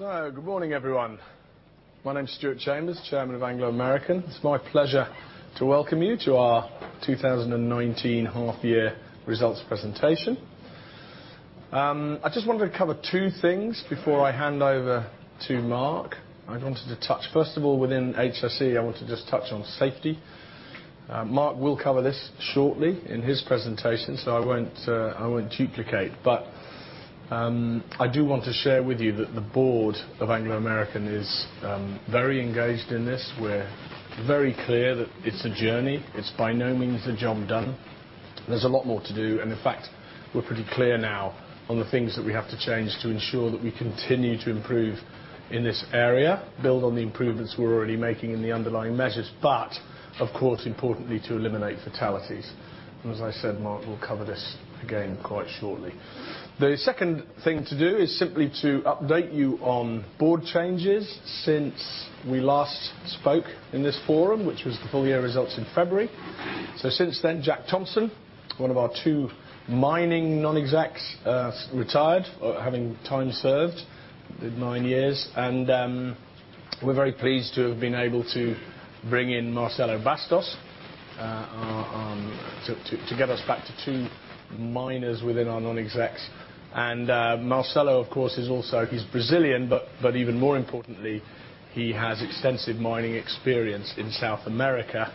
Good morning, everyone. My name is Stuart Chambers, Chairman of Anglo American. It's my pleasure to welcome you to our 2019 half-year results presentation. I just wanted to cover two things before I hand over to Mark. I wanted to touch, first of all, within HSE, I want to just touch on safety. Mark will cover this shortly in his presentation. I won't duplicate. I do want to share with you that the board of Anglo American is very engaged in this. We're very clear that it's a journey. It's by no means a job done. There's a lot more to do, and in fact, we're pretty clear now on the things that we have to change to ensure that we continue to improve in this area, build on the improvements we're already making in the underlying measures, but of course, importantly, to eliminate fatalities. As I said, Mark will cover this again quite shortly. The second thing to do is simply to update you on board changes since we last spoke in this forum, which was the full-year results in February. Since then, Jack Thompson, one of our two mining non-execs, retired, having time served. Did nine years. We're very pleased to have been able to bring in Marcelo Bastos to get us back to two miners within our non-execs [inaudible] is resilient but even more importantly he has extensive mining experience in South America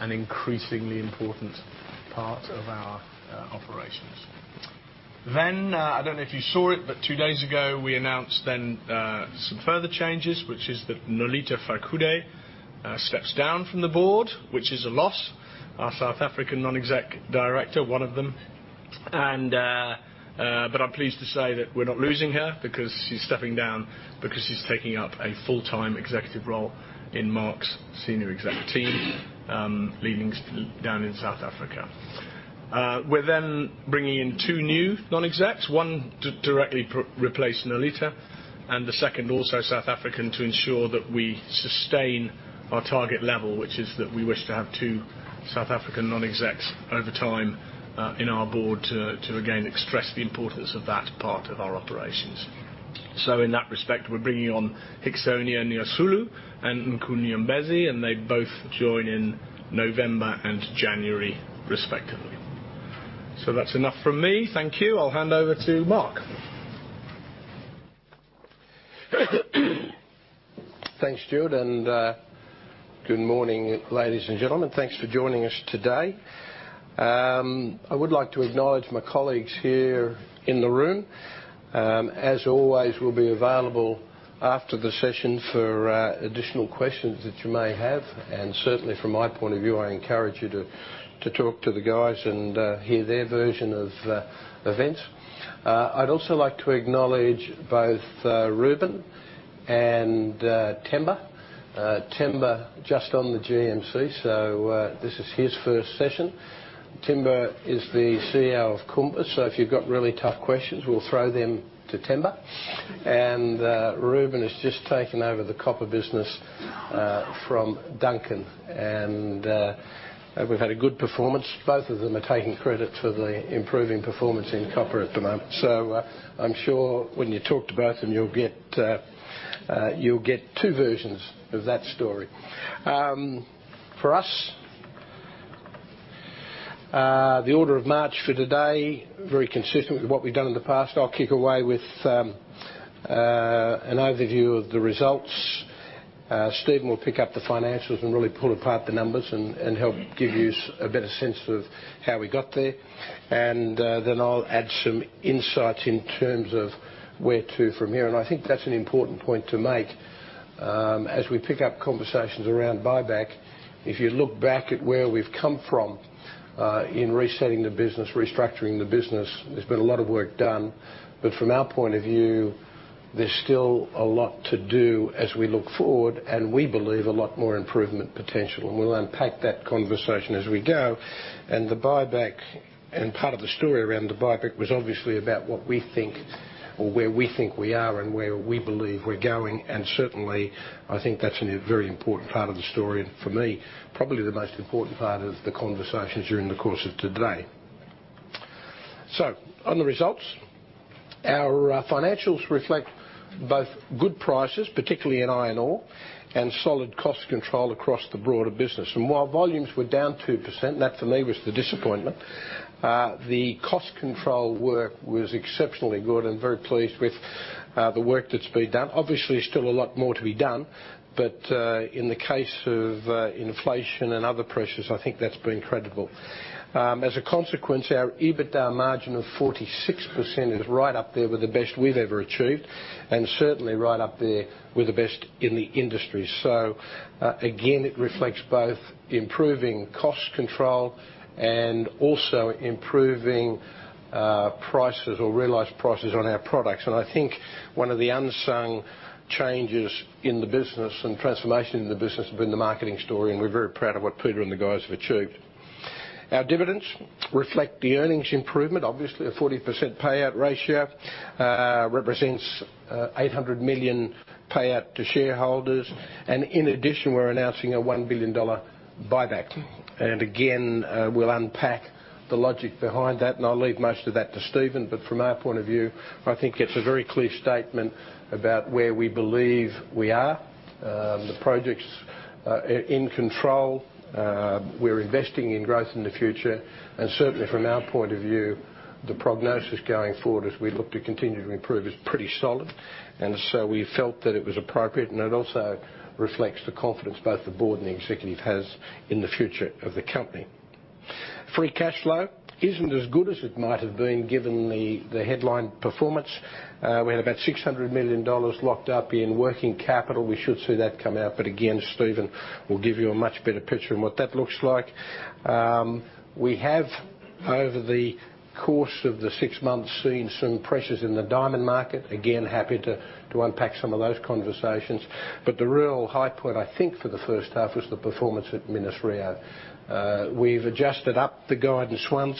and increasingly important part of our operations. I don't know if you saw it, two days ago we announced some further changes, which is that Nolitha Fakude steps down from the board, which is a loss. Our South African Non-Executive Director, one of them. I'm pleased to say that we're not losing her because she's stepping down because she's taking up a full-time executive role in Mark's senior exec team, leading down in South Africa. We're then bringing in two new non-execs, one to directly replace Nolitha and the second also South African to ensure that we sustain our target level, which is that we wish to have two South African non-execs over time in our board to again express the importance of that part of our operations. In that respect, we're bringing on Hixonia Nyasulu and Nonkululeko Nyembezi, and they both join in November and January respectively. That's enough from me. Thank you. I'll hand over to Mark. Thanks, Stuart. Good morning, ladies and gentlemen. Thanks for joining us today. I would like to acknowledge my colleagues here in the room. As always, we'll be available after the session for additional questions that you may have. Certainly, from my point of view, I encourage you to talk to the guys and hear their version of events. I'd also like to acknowledge both Ruben and Themba. Themba, just on the GNC. This is his first session. Themba is the CEO of Kumba. If you've got really tough questions, we'll throw them to Themba. Ruben has just taken over the copper business from Duncan. We've had a good performance. Both of them are taking credit for the improving performance in copper at the moment. I'm sure when you talk to both of them, you'll get two versions of that story. For us, the order of march for today, very consistent with what we've done in the past. I'll kick away with an overview of the results. Stephen will pick up the financials and really pull apart the numbers and help give you a better sense of how we got there. Then I'll add some insights in terms of where to from here. I think that's an important point to make. As we pick up conversations around buyback, if you look back at where we've come from in resetting the business, restructuring the business, there's been a lot of work done. From our point of view, there's still a lot to do as we look forward, and we believe a lot more improvement potential. We'll unpack that conversation as we go. The buyback and part of the story around the buyback was obviously about what we think or where we think we are and where we believe we're going. Certainly, I think that's a very important part of the story. For me, probably the most important part of the conversations during the course of today. On the results, our financials reflect both good prices, particularly in iron ore and solid cost control across the broader business. While volumes were down 2%, that for me was the disappointment. The cost control work was exceptionally good. I'm very pleased with the work that's been done. Obviously, still a lot more to be done. In the case of inflation and other pressures, I think that's been incredible. Our EBITDA margin of 46% is right up there with the best we've ever achieved, and certainly right up there with the best in the industry. Again, it reflects both improving cost control and also improving prices or realized prices on our products. I think one of the unsung changes in the business and transformation in the business has been the marketing story, and we're very proud of what Peter and the guys have achieved. Our dividends reflect the earnings improvement. Obviously, a 40% payout ratio represents $800 million payout to shareholders. In addition, we're announcing a $1 billion buyback. Again, we'll unpack the logic behind that, and I'll leave most of that to Stephen. From our point of view, I think it's a very clear statement about where we believe we are. The project's in control. We're investing in growth in the future. Certainly, from our point of view, the prognosis going forward as we look to continue to improve is pretty solid. We felt that it was appropriate, and it also reflects the confidence both the board and the executive has in the future of the company. Free cash flow isn't as good as it might have been, given the headline performance. We had about $600 million locked up in working capital. We should see that come out, but again, Stephen will give you a much better picture on what that looks like. We have, over the course of the six months, seen some pressures in the diamond market. Again, happy to unpack some of those conversations. The real high point, I think, for the first half was the performance at Minas-Rio. We've adjusted up the guidance once.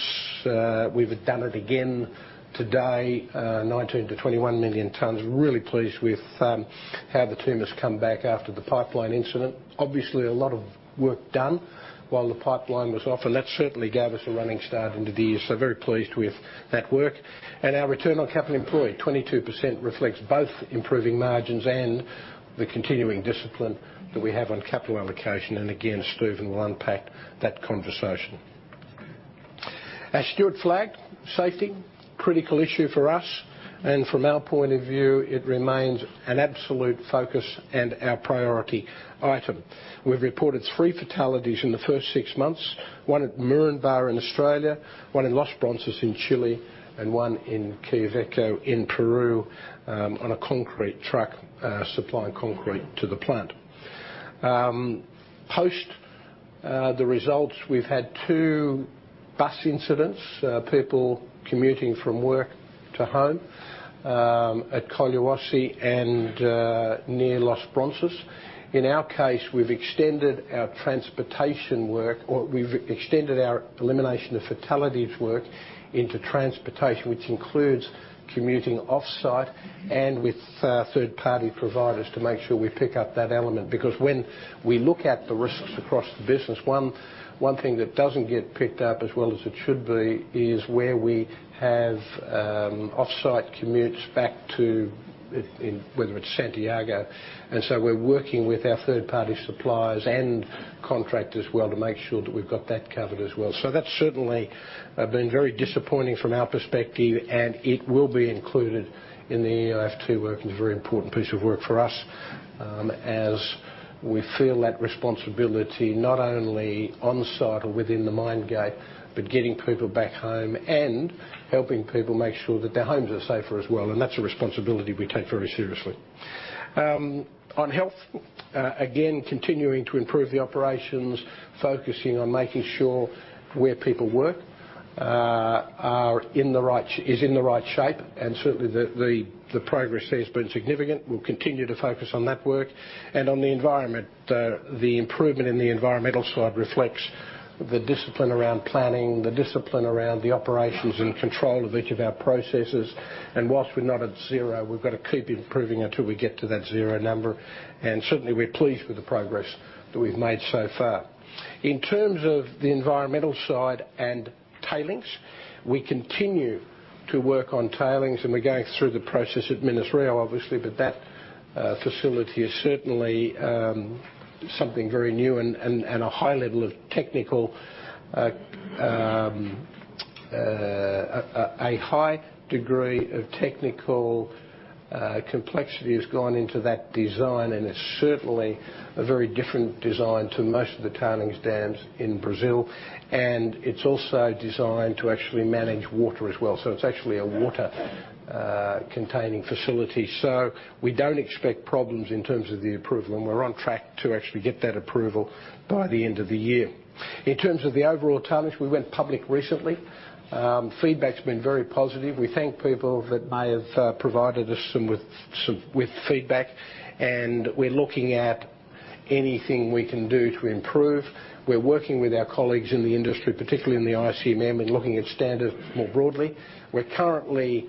We've done it again today, 19 million-21 million tons. Really pleased with how the team has come back after the pipeline incident. Obviously, a lot of work done while the pipeline was off, and that certainly gave us a running start into the year, so very pleased with that work. Our return on capital employed, 22%, reflects both improving margins and the continuing discipline that we have on capital allocation. Again, Stephen will unpack that conversation. As Stuart flagged, safety, critical issue for us. From our point of view, it remains an absolute focus and our priority item. We've reported three fatalities in the first six months, one at Moranbah in Australia, one in Los Bronces in Chile, and one in Quellaveco in Peru on a concrete truck supplying concrete to the plant. Post the results, we've had two bus incidents, people commuting from work to home at Colquijirca and near Los Bronces. In our case, we've extended our transportation work or we've extended our elimination of fatalities work into transportation, which includes commuting off-site and with third-party providers to make sure we pick up that element. Because when we look at the risks across the business, one thing that doesn't get picked up as well as it should be is where we have offsite commutes back to, whether it's Santiago. We're working with our third-party suppliers and contractors well to make sure that we've got that covered as well. That's certainly been very disappointing from our perspective, and it will be included in the EF2 work. It's a very important piece of work for us as we feel that responsibility not only on-site or within the mine gate, but getting people back home and helping people make sure that their homes are safer as well. That's a responsibility we take very seriously. On health, again, continuing to improve the operations, focusing on making sure where people work is in the right shape. Certainly, the progress there has been significant. We'll continue to focus on that work and on the environment. The improvement in the environmental side reflects the discipline around planning, the discipline around the operations and control of each of our processes. Whilst we're not at zero, we've got to keep improving until we get to that zero number. Certainly, we're pleased with the progress that we've made so far. In terms of the environmental side and tailings, we continue to work on tailings, and we're going through the process at Minas-Rio, obviously. That facility is certainly something very new and a high degree of technical complexity has gone into that design, and it's certainly a very different design to most of the tailings dams in Brazil. It's also designed to actually manage water as well. It's actually a water-containing facility. We don't expect problems in terms of the approval, and we're on track to actually get that approval by the end of the year. In terms of the overall tailings, we went public recently. Feedback's been very positive. We thank people that may have provided us with feedback, and we're looking at anything we can do to improve. We're working with our colleagues in the industry, particularly in the ICMM, in looking at standards more broadly. We're currently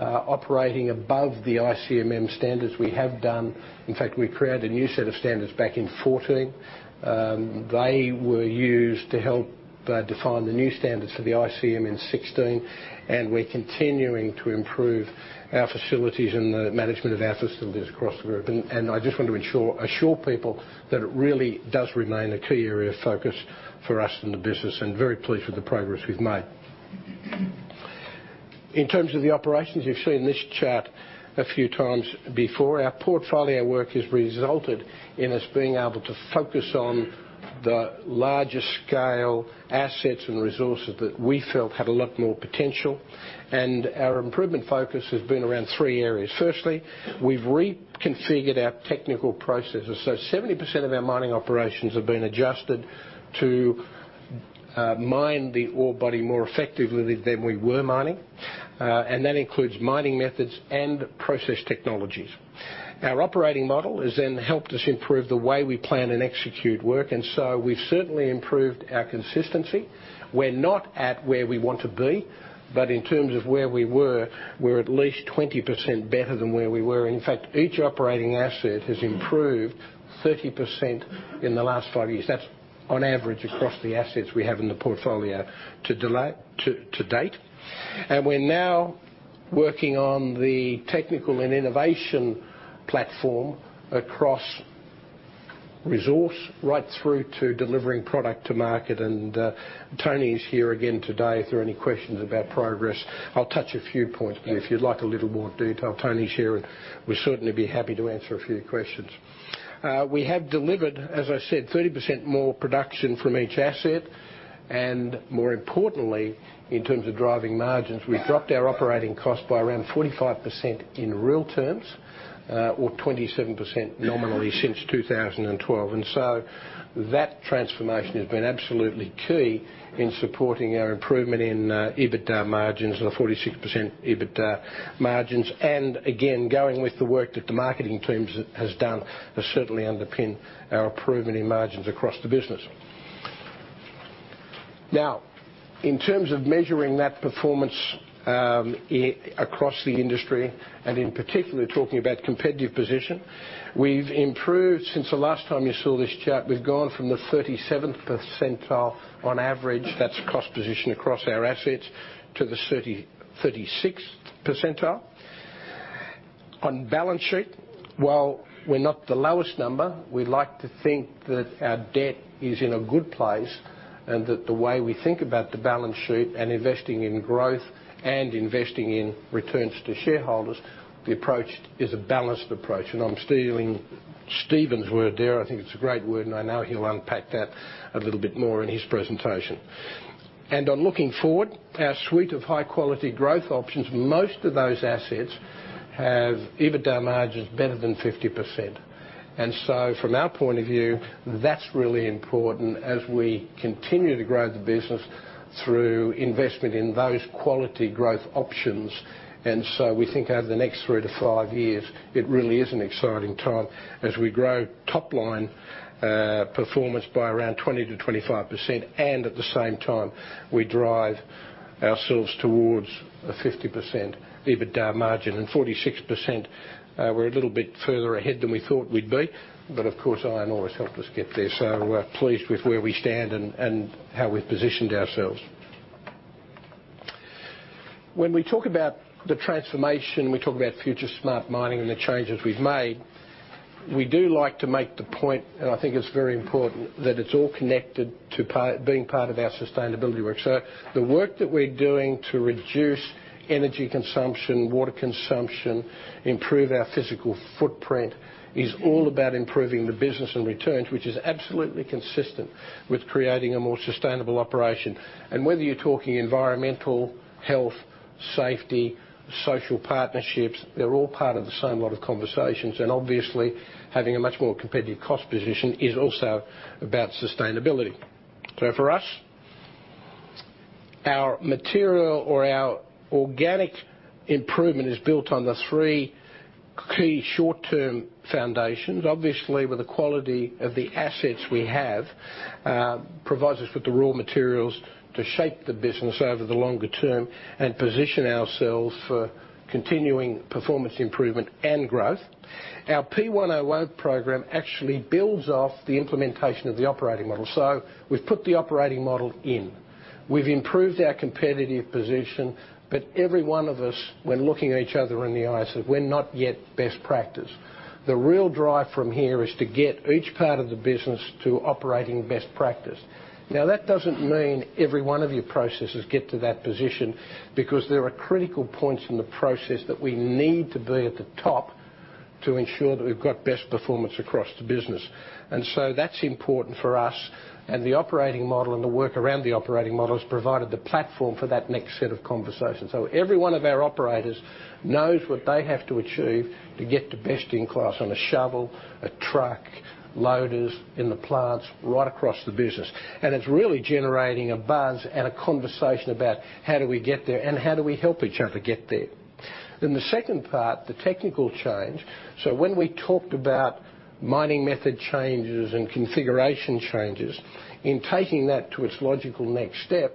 operating above the ICMM standards. We have done. We created a new set of standards back in 2014. They were used to help define the new standards for the ICMM in 2016. We're continuing to improve our facilities and the management of our facilities across the group. I just want to assure people that it really does remain a key area of focus for us in the business and very pleased with the progress we've made. In terms of the operations, you've seen this chart a few times before. Our portfolio work has resulted in us being able to focus on the larger scale assets and resources that we felt had a lot more potential. Our improvement focus has been around three areas. Firstly, we've reconfigured our technical processes. 70% of our mining operations have been adjusted to mine the ore body more effectively than we were mining. That includes mining methods and process technologies. Our operating model has then helped us improve the way we plan and execute work. We've certainly improved our consistency. We're not at where we want to be, but in terms of where we were, we're at least 20% better than where we were. In fact, each operating asset has improved 30% in the last five years. That's on average across the assets we have in the portfolio to date. We're now working on the technical and innovation platform across resource, right through to delivering product to market. Tony is here again today, if there are any questions about progress. I'll touch a few points, but if you'd like a little more detail, Tony's here and we'd certainly be happy to answer a few questions. We have delivered, as I said, 30% more production from each asset. More importantly, in terms of driving margins, we've dropped our operating cost by around 45% in real terms, or 27% nominally since 2012. That transformation has been absolutely key in supporting our improvement in EBITDA margins or the 46% EBITDA margins. Again, going with the work that the marketing team has done has certainly underpinned our improvement in margins across the business. In terms of measuring that performance across the industry, and in particular, talking about competitive position, we've improved since the last time you saw this chart. We've gone from the 37th percentile on average, that's cost position across our assets, to the 36th percentile. On balance sheet, while we're not the lowest number, we like to think that our debt is in a good place and that the way we think about the balance sheet and investing in growth and investing in returns to shareholders, the approach is a balanced approach. I'm stealing Stephen's word there. I think it's a great word, and I know he'll unpack that a little bit more in his presentation. On looking forward, our suite of high-quality growth options, most of those assets have EBITDA margins better than 50%. From our point of view, that's really important as we continue to grow the business through investment in those quality growth options. We think over the next three to five years, it really is an exciting time as we grow top-line performance by around 20%-25%. At the same time, we drive ourselves towards a 50% EBITDA margin. 46%, we're a little bit further ahead than we thought we'd be. Of course, iron ore has helped us get there. We're pleased with where we stand and how we've positioned ourselves. When we talk about the transformation, we talk about FutureSmart Mining and the changes we've made. We do like to make the point, and I think it's very important, that it's all connected to being part of our sustainability work. The work that we're doing to reduce energy consumption, water consumption, improve our physical footprint, is all about improving the business and returns, which is absolutely consistent with creating a more sustainable operation. Whether you're talking environmental, health, safety, social partnerships, they're all part of the same lot of conversations. Having a much more competitive cost position is also about sustainability. For us, our material or our organic improvement is built on the three key short-term foundations. With the quality of the assets we have provides us with the raw materials to shape the business over the longer term and position ourselves for continuing performance improvement and growth. Our P101 program actually builds off the implementation of the operating model. We've put the operating model in. We've improved our competitive position, but every one of us, when looking at each other in the eye, said we're not yet best practice. The real drive from here is to get each part of the business to operating best practice. That doesn't mean every one of your processes get to that position because there are critical points in the process that we need to be at the top to ensure that we've got best performance across the business. That's important for us. The operating model and the work around the operating model has provided the platform for that next set of conversations. Every one of our operators knows what they have to achieve to get to best in class on a shovel, a truck, loaders in the plants, right across the business. It's really generating a buzz and a conversation about how do we get there and how do we help each other get there. The second part, the technical change. When we talked about mining method changes and configuration changes. In taking that to its logical next step,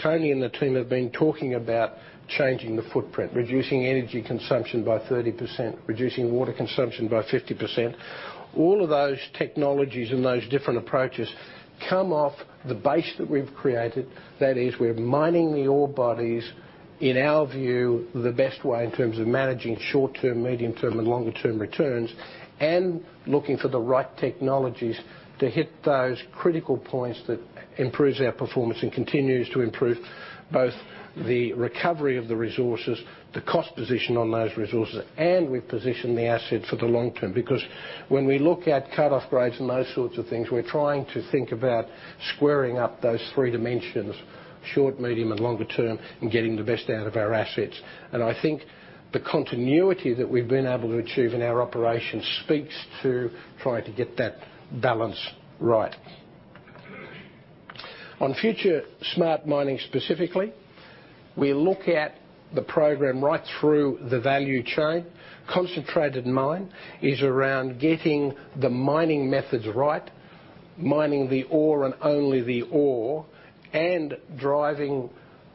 Tony and the team have been talking about changing the footprint, reducing energy consumption by 30%, reducing water consumption by 50%. All of those technologies and those different approaches come off the base that we've created. That is, we're mining the ore bodies, in our view, the best way in terms of managing short-term, medium-term, and longer-term returns, and looking for the right technologies to hit those critical points that improves our performance and continues to improve both the recovery of the resources, the cost position on those resources, and we position the asset for the long term. When we look at cutoff grades and those sorts of things, we're trying to think about squaring up those three dimensions, short, medium, and longer term, and getting the best out of our assets. I think the continuity that we've been able to achieve in our operations speaks to trying to get that balance right. On FutureSmart Mining specifically, we look at the program right through the value chain. Concentrating the Mine is around getting the mining methods right, mining the ore and only the ore, and driving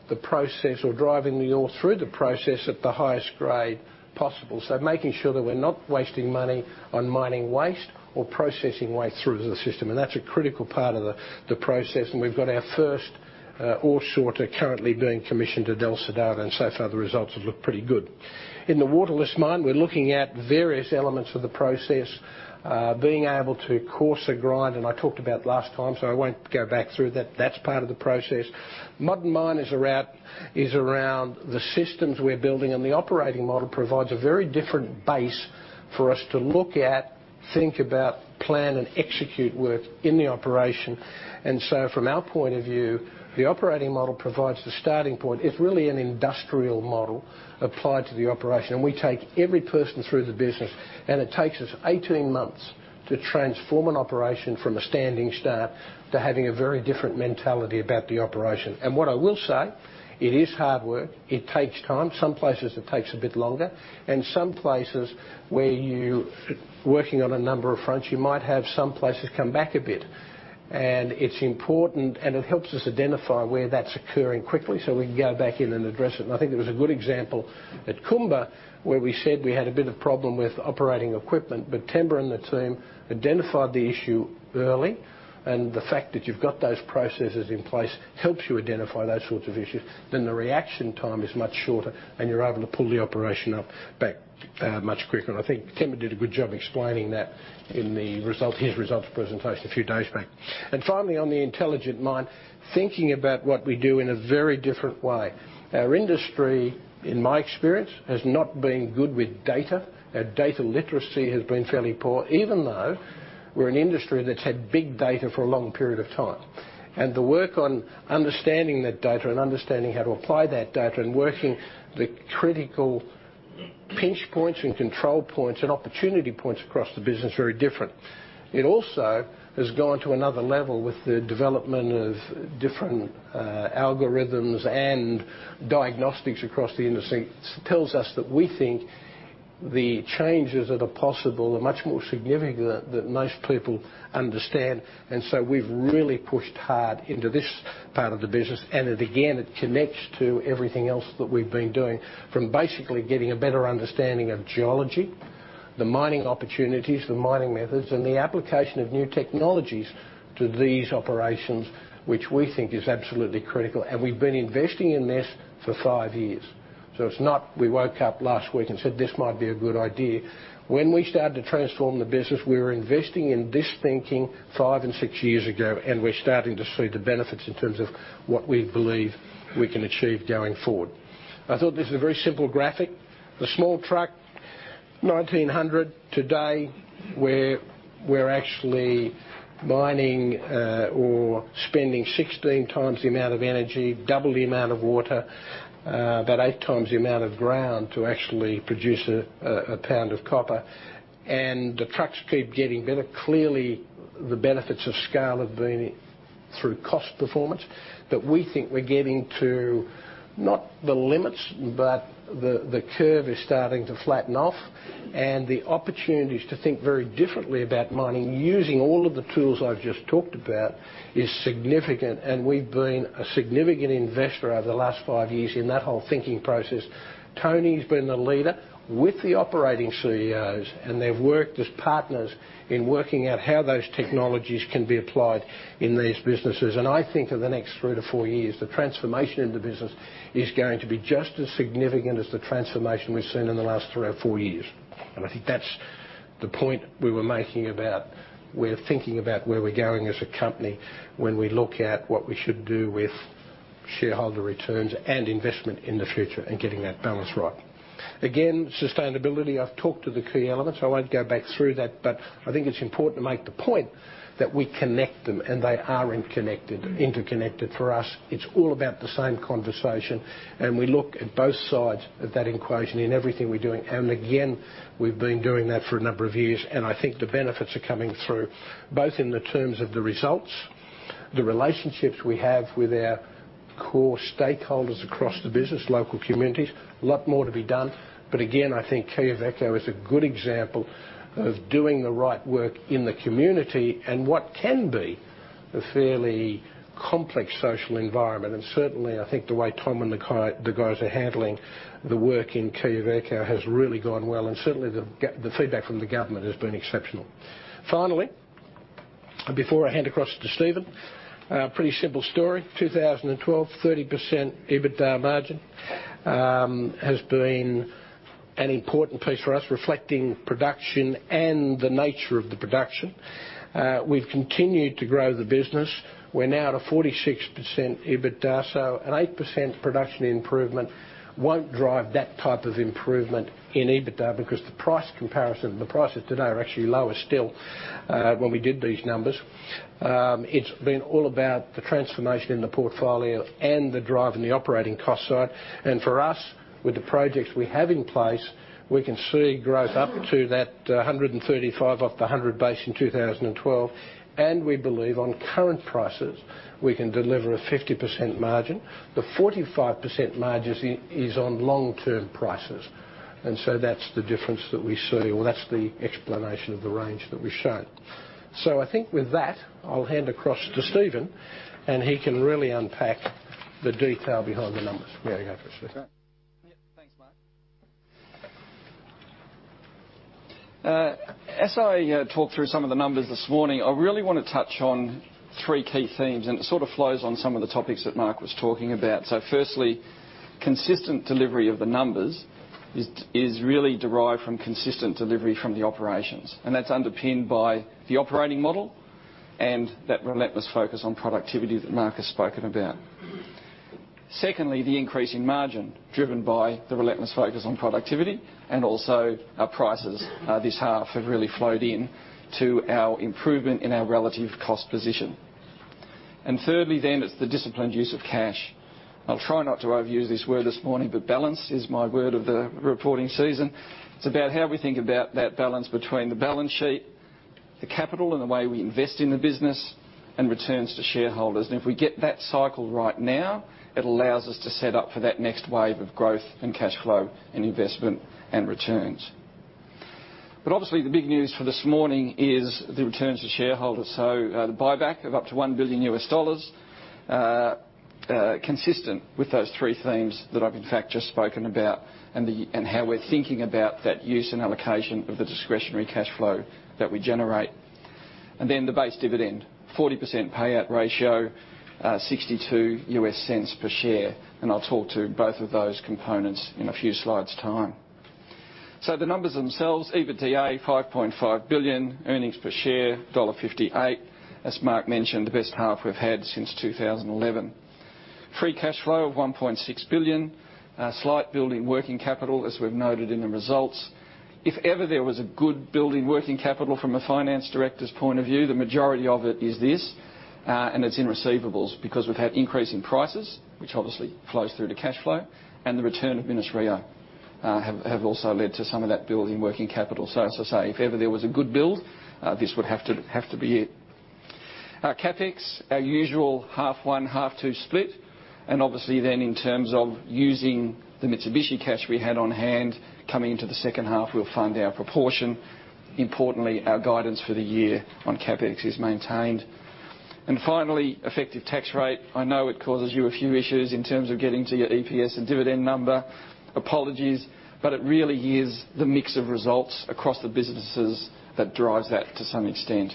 the process or driving the ore through the process at the highest grade possible. Making sure that we're not wasting money on mining waste or processing waste through the system, that's a critical part of the process. We've got our first ore sorter currently being commissioned at El Soldado, so far the results look pretty good. In the Water-less Mine, we're looking at various elements of the process. Being able to coarser grind, I talked about it last time, I won't go back through that. That's part of the process. Modern Mine is around the systems we're building. The operating model provides a very different base for us to look at, think about, plan and execute work in the operation. From our point of view, the operating model provides the starting point. It's really an industrial model applied to the operation. We take every person through the business. It takes us 18 months to transform an operation from a standing start to having a very different mentality about the operation. What I will say, it is hard work. It takes time. Some places it takes a bit longer. Some places where you're working on a number of fronts, you might have some places come back a bit. It's important. It helps us identify where that's occurring quickly so we can go back in and address it. I think there was a good example at Kumba where we said we had a bit of problem with operating equipment, but Themba and the team identified the issue early. The fact that you've got those processes in place helps you identify those sorts of issues. The reaction time is much shorter and you're able to pull the operation up back much quicker. I think Themba did a good job explaining that in his results presentation a few days back. Finally, on the Intelligent Mine, thinking about what we do in a very different way. Our industry, in my experience, has not been good with data. Our data literacy has been fairly poor, even though we're an industry that's had big data for a long period of time. The work on understanding that data and understanding how to apply that data and working the critical pinch points and control points and opportunity points across the business very different. It also has gone to another level with the development of different algorithms and diagnostics across the industry. Tells us that we think the changes that are possible are much more significant than most people understand. We've really pushed hard into this part of the business. It, again, it connects to everything else that we've been doing. From basically getting a better understanding of geology, the mining opportunities, the mining methods, and the application of new technologies to these operations, which we think is absolutely critical. We've been investing in this for five years. It's not we woke up last week and said, "This might be a good idea." When we started to transform the business, we were investing in this thinking five and six years ago, and we're starting to see the benefits in terms of what we believe we can achieve going forward. I thought this was a very simple graphic. The small truck, 1900. Today, we're actually mining or spending 16 times the amount of energy, double the amount of water, about eight times the amount of ground to actually produce a pound of copper. The trucks keep getting better. Clearly, the benefits of scale have been through cost performance. We think we're getting to not the limits, but the curve is starting to flatten off, and the opportunities to think very differently about mining using all of the tools I've just talked about is significant. We've been a significant investor over the last five years in that whole thinking process. Tony's been the leader with the operating CEOs, and they've worked as partners in working out how those technologies can be applied in these businesses. I think over the next three to four years, the transformation of the business is going to be just as significant as the transformation we've seen in the last three or four years. I think that's the point we were making about we're thinking about where we're going as a company when we look at what we should do with shareholder returns and investment in the future and getting that balance right. Again, sustainability. I've talked to the key elements. I won't go back through that, but I think it's important to make the point that we connect them and they are interconnected for us. It's all about the same conversation. We look at both sides of that equation in everything we're doing. Again, we've been doing that for a number of years, and I think the benefits are coming through both in the terms of the results, the relationships we have with our core stakeholders across the business, local communities. A lot more to be done. Again, I think Quellaveco is a good example of doing the right work in the community and what can be a fairly complex social environment. Certainly, I think the way Tom and the guys are handling the work in Quellaveco has really gone well. Certainly, the feedback from the government has been exceptional. Finally, before I hand across to Stephen, pretty simple story. 2012, 30% EBITDA margin has been an important piece for us, reflecting production and the nature of the production. We've continued to grow the business. We're now at a 46% EBITDA, an 8% production improvement won't drive that type of improvement in EBITDA because the price comparison, the prices today are actually lower still when we did these numbers. It's been all about the transformation in the portfolio and the drive in the operating cost side. For us, with the projects we have in place, we can see growth up to that 135 off the 100 base in 2012. We believe on current prices, we can deliver a 50% margin. The 45% margin is on long-term prices. That's the difference that we see or that's the explanation of the range that we've shown. I think with that, I'll hand across to Stephen, and he can really unpack the detail behind the numbers. There you go, Stephen. Yeah. Thanks, Mark. As I talk through some of the numbers this morning, I really want to touch on three key themes, and it sort of flows on some of the topics that Mark was talking about. Firstly, consistent delivery of the numbers is really derived from consistent delivery from the operations, and that's underpinned by the operating model and that relentless focus on productivity that Mark has spoken about. Secondly, the increase in margin driven by the relentless focus on productivity and also our prices this half have really flowed in to our improvement in our relative cost position. Thirdly, then, it's the disciplined use of cash. I'll try not to overuse this word this morning, but balance is my word of the reporting season. It's about how we think about that balance between the balance sheet, the capital, and the way we invest in the business and returns to shareholders. If we get that cycle right now, it allows us to set up for that next wave of growth and cash flow and investment and returns. Obviously, the big news for this morning is the returns to shareholders. The buyback of up to $1 billion, consistent with those three themes that I've in fact just spoken about and how we're thinking about that use and allocation of the discretionary cash flow that we generate. The base dividend, 40% payout ratio, $0.62 per share. I'll talk to both of those components in a few slides' time. The numbers themselves, EBITDA $5.5 billion, earnings per share $1.58. As Mark mentioned, the best half we've had since 2011. Free cash flow of $1.6 billion. Slight build in working capital, as we've noted in the results. If ever there was a good build in working capital from a finance director's point of view, the majority of it is this, and it's in receivables because we've had increasing prices, which obviously flows through to cash flow, and the return of Minas-Rio have also led to some of that build in working capital. As I say, if ever there was a good build, this would have to be it. Our CapEx, our usual half one, half two split. Obviously then, in terms of using the Mitsubishi cash we had on hand coming into the second half, we'll fund our proportion. Importantly, our guidance for the year on CapEx is maintained. Finally, effective tax rate. I know it causes you a few issues in terms of getting to your EPS and dividend number. Apologies, it really is the mix of results across the businesses that drives that to some extent.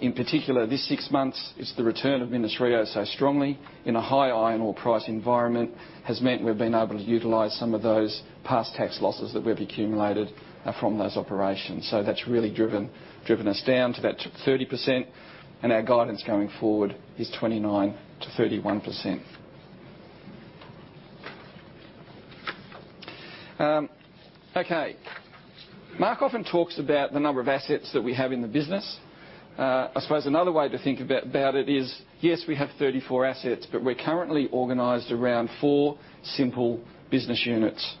In particular, this six months is the return of Minas-Rio so strongly in a high iron ore price environment has meant we've been able to utilize some of those past tax losses that we've accumulated from those operations. That's really driven us down to that 30%, and our guidance going forward is 29%-31%. Okay. Mark often talks about the number of assets that we have in the business. I suppose another way to think about it is, yes, we have 34 assets, we're currently organized around four simple business units.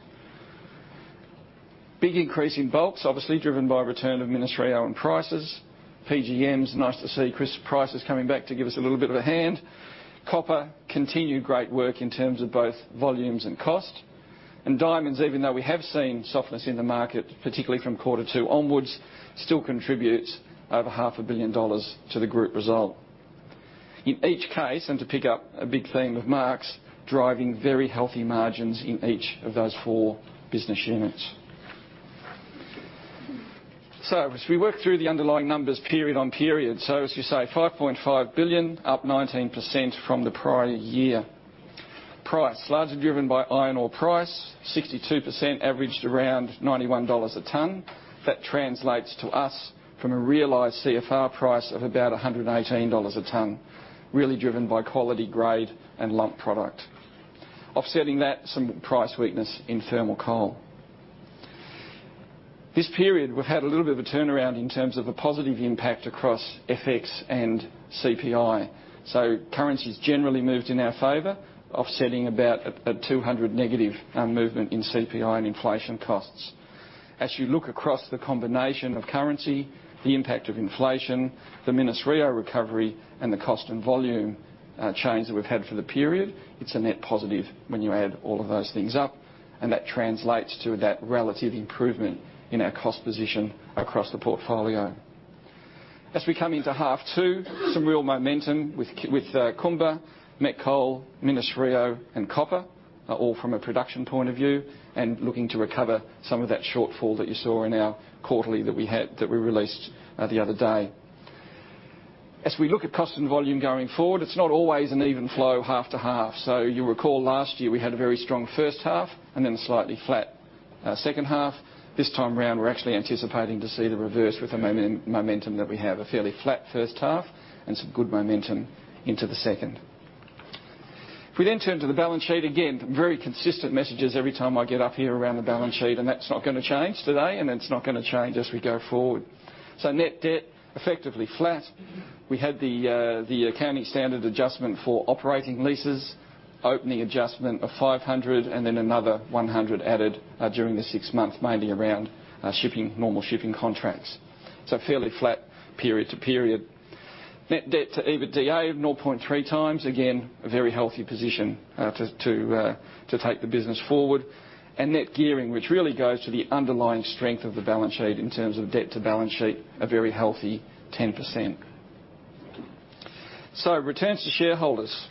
Big increase in bulks, obviously driven by return of Minas-Rio and prices. PGMs, nice to see Chris Price is coming back to give us a little bit of a hand. Copper continued great work in terms of both volumes and cost. Diamonds, even though we have seen softness in the market, particularly from Q2 onwards, still contributes over $500 million to the group result. In each case, and to pick up a big theme of Mark's, driving very healthy margins in each of those four business units. As we work through the underlying numbers period on period. As you say, $5.5 billion, up 19% from the prior year. Price, largely driven by iron ore price, 62% averaged around $91 a ton. That translates to us from a realized CFR price of about $118 a ton, really driven by quality grade and lump product. Offsetting that, some price weakness in thermal coal. This period, we've had a little bit of a turnaround in terms of a positive impact across FX and CPI. Currencies generally moved in our favor, offsetting about a 200 negative movement in CPI and inflation costs. As you look across the combination of currency, the impact of inflation, the Minas-Rio recovery, and the cost and volume change that we've had for the period, it's a net positive when you add all of those things up, and that translates to that relative improvement in our cost position across the portfolio. As we come into half two, some real momentum with Kumba, Met Coal, Minas-Rio and Copper, all from a production point of view and looking to recover some of that shortfall that you saw in our quarterly that we released the other day. As we look at cost and volume going forward, it's not always an even flow half to half. You'll recall last year we had a very strong first half and then a slightly flat second half. This time around, we're actually anticipating to see the reverse with the momentum that we have. A fairly flat first half and some good momentum into the second. We turn to the balance sheet, again, very consistent messages every time I get up here around the balance sheet, and that's not going to change today, and it's not going to change as we go forward. Net debt, effectively flat. We had the accounting standard adjustment for operating leases, opening adjustment of 500 and then another 100 added during the six months, mainly around normal shipping contracts. Fairly flat period to period. Net debt to EBITDA of 0.3 times. A very healthy position to take the business forward. Net gearing, which really goes to the underlying strength of the balance sheet in terms of debt to balance sheet, a very healthy 10%. Returns to shareholders.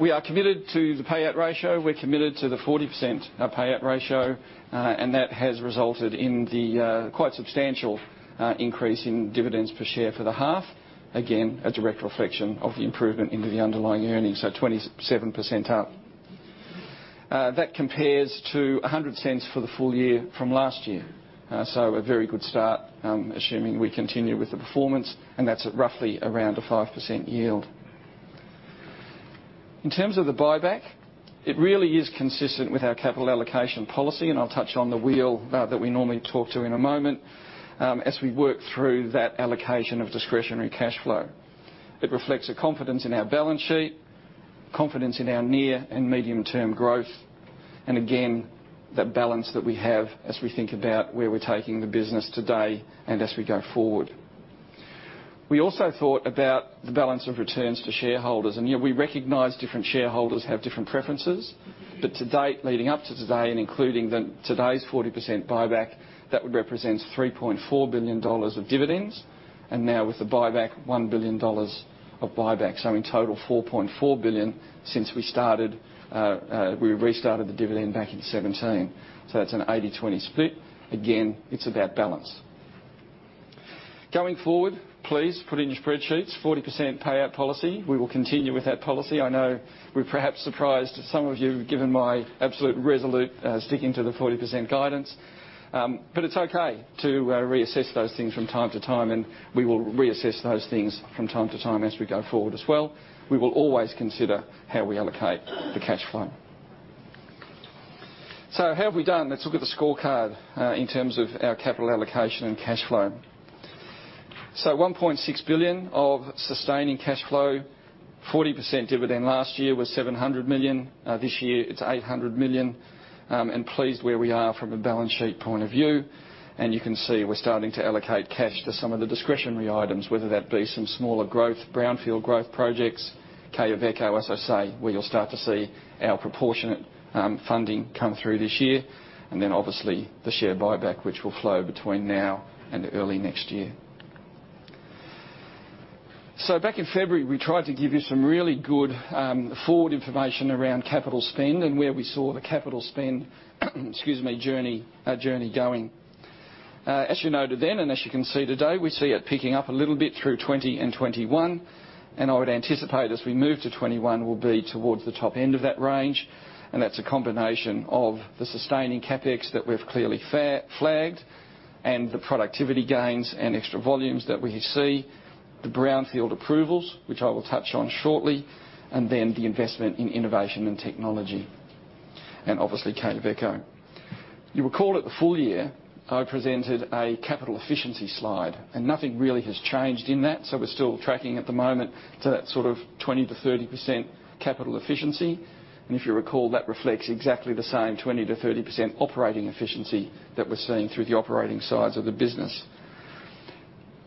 We are committed to the payout ratio. We're committed to the 40% payout ratio, and that has resulted in the quite substantial increase in dividends per share for the half. A direct reflection of the improvement into the underlying earnings, 27% up. That compares to $1.00 for the full year from last year. A very good start, assuming we continue with the performance, and that's at roughly around a 5% yield. In terms of the buyback, it really is consistent with our capital allocation policy, and I'll touch on the wheel that we normally talk to in a moment as we work through that allocation of discretionary cash flow. It reflects a confidence in our balance sheet, confidence in our near and medium-term growth, and again, that balance that we have as we think about where we're taking the business today and as we go forward. We also thought about the balance of returns for shareholders, and we recognize different shareholders have different preferences. To date, leading up to today and including today's 40% buyback, that would represent $3.4 billion of dividends. Now with the buyback, $1 billion of buyback. In total, $4.4 billion since we restarted the dividend back in 2017. That's an 80/20 split. Again, it's about balance. Going forward, please put in your spreadsheets 40% payout policy. We will continue with that policy. I know we perhaps surprised some of you, given my absolute resolute sticking to the 40% guidance. It's okay to reassess those things from time to time, and we will reassess those things from time to time as we go forward as well. We will always consider how we allocate the cash flow. How have we done? Let's look at the scorecard in terms of our capital allocation and cash flow. $1.6 billion of sustaining cash flow, 40% dividend last year was $700 million. This year it's $800 million. Pleased where we are from a balance sheet point of view. You can see we're starting to allocate cash to some of the discretionary items, whether that be some smaller brownfield growth projects. Quellaveco, as I say, where you'll start to see our proportionate funding come through this year. Obviously the share buyback, which will flow between now and early next year. Back in February, we tried to give you some really good forward information around capital spend and where we saw the capital spend journey going. As you noted then and as you can see today, we see it picking up a little bit through 2020 and 2021. I would anticipate as we move to 2021, we'll be towards the top end of that range. That's a combination of the sustaining CapEx that we've clearly flagged and the productivity gains and extra volumes that we see, the brownfield approvals, which I will touch on shortly, and the investment in innovation and technology. Obviously Quellaveco. You will recall at the full year, I presented a capital efficiency slide. Nothing really has changed in that. We're still tracking at the moment to that sort of 20%-30% capital efficiency. If you recall, that reflects exactly the same 20%-30% operating efficiency that we're seeing through the operating sides of the business.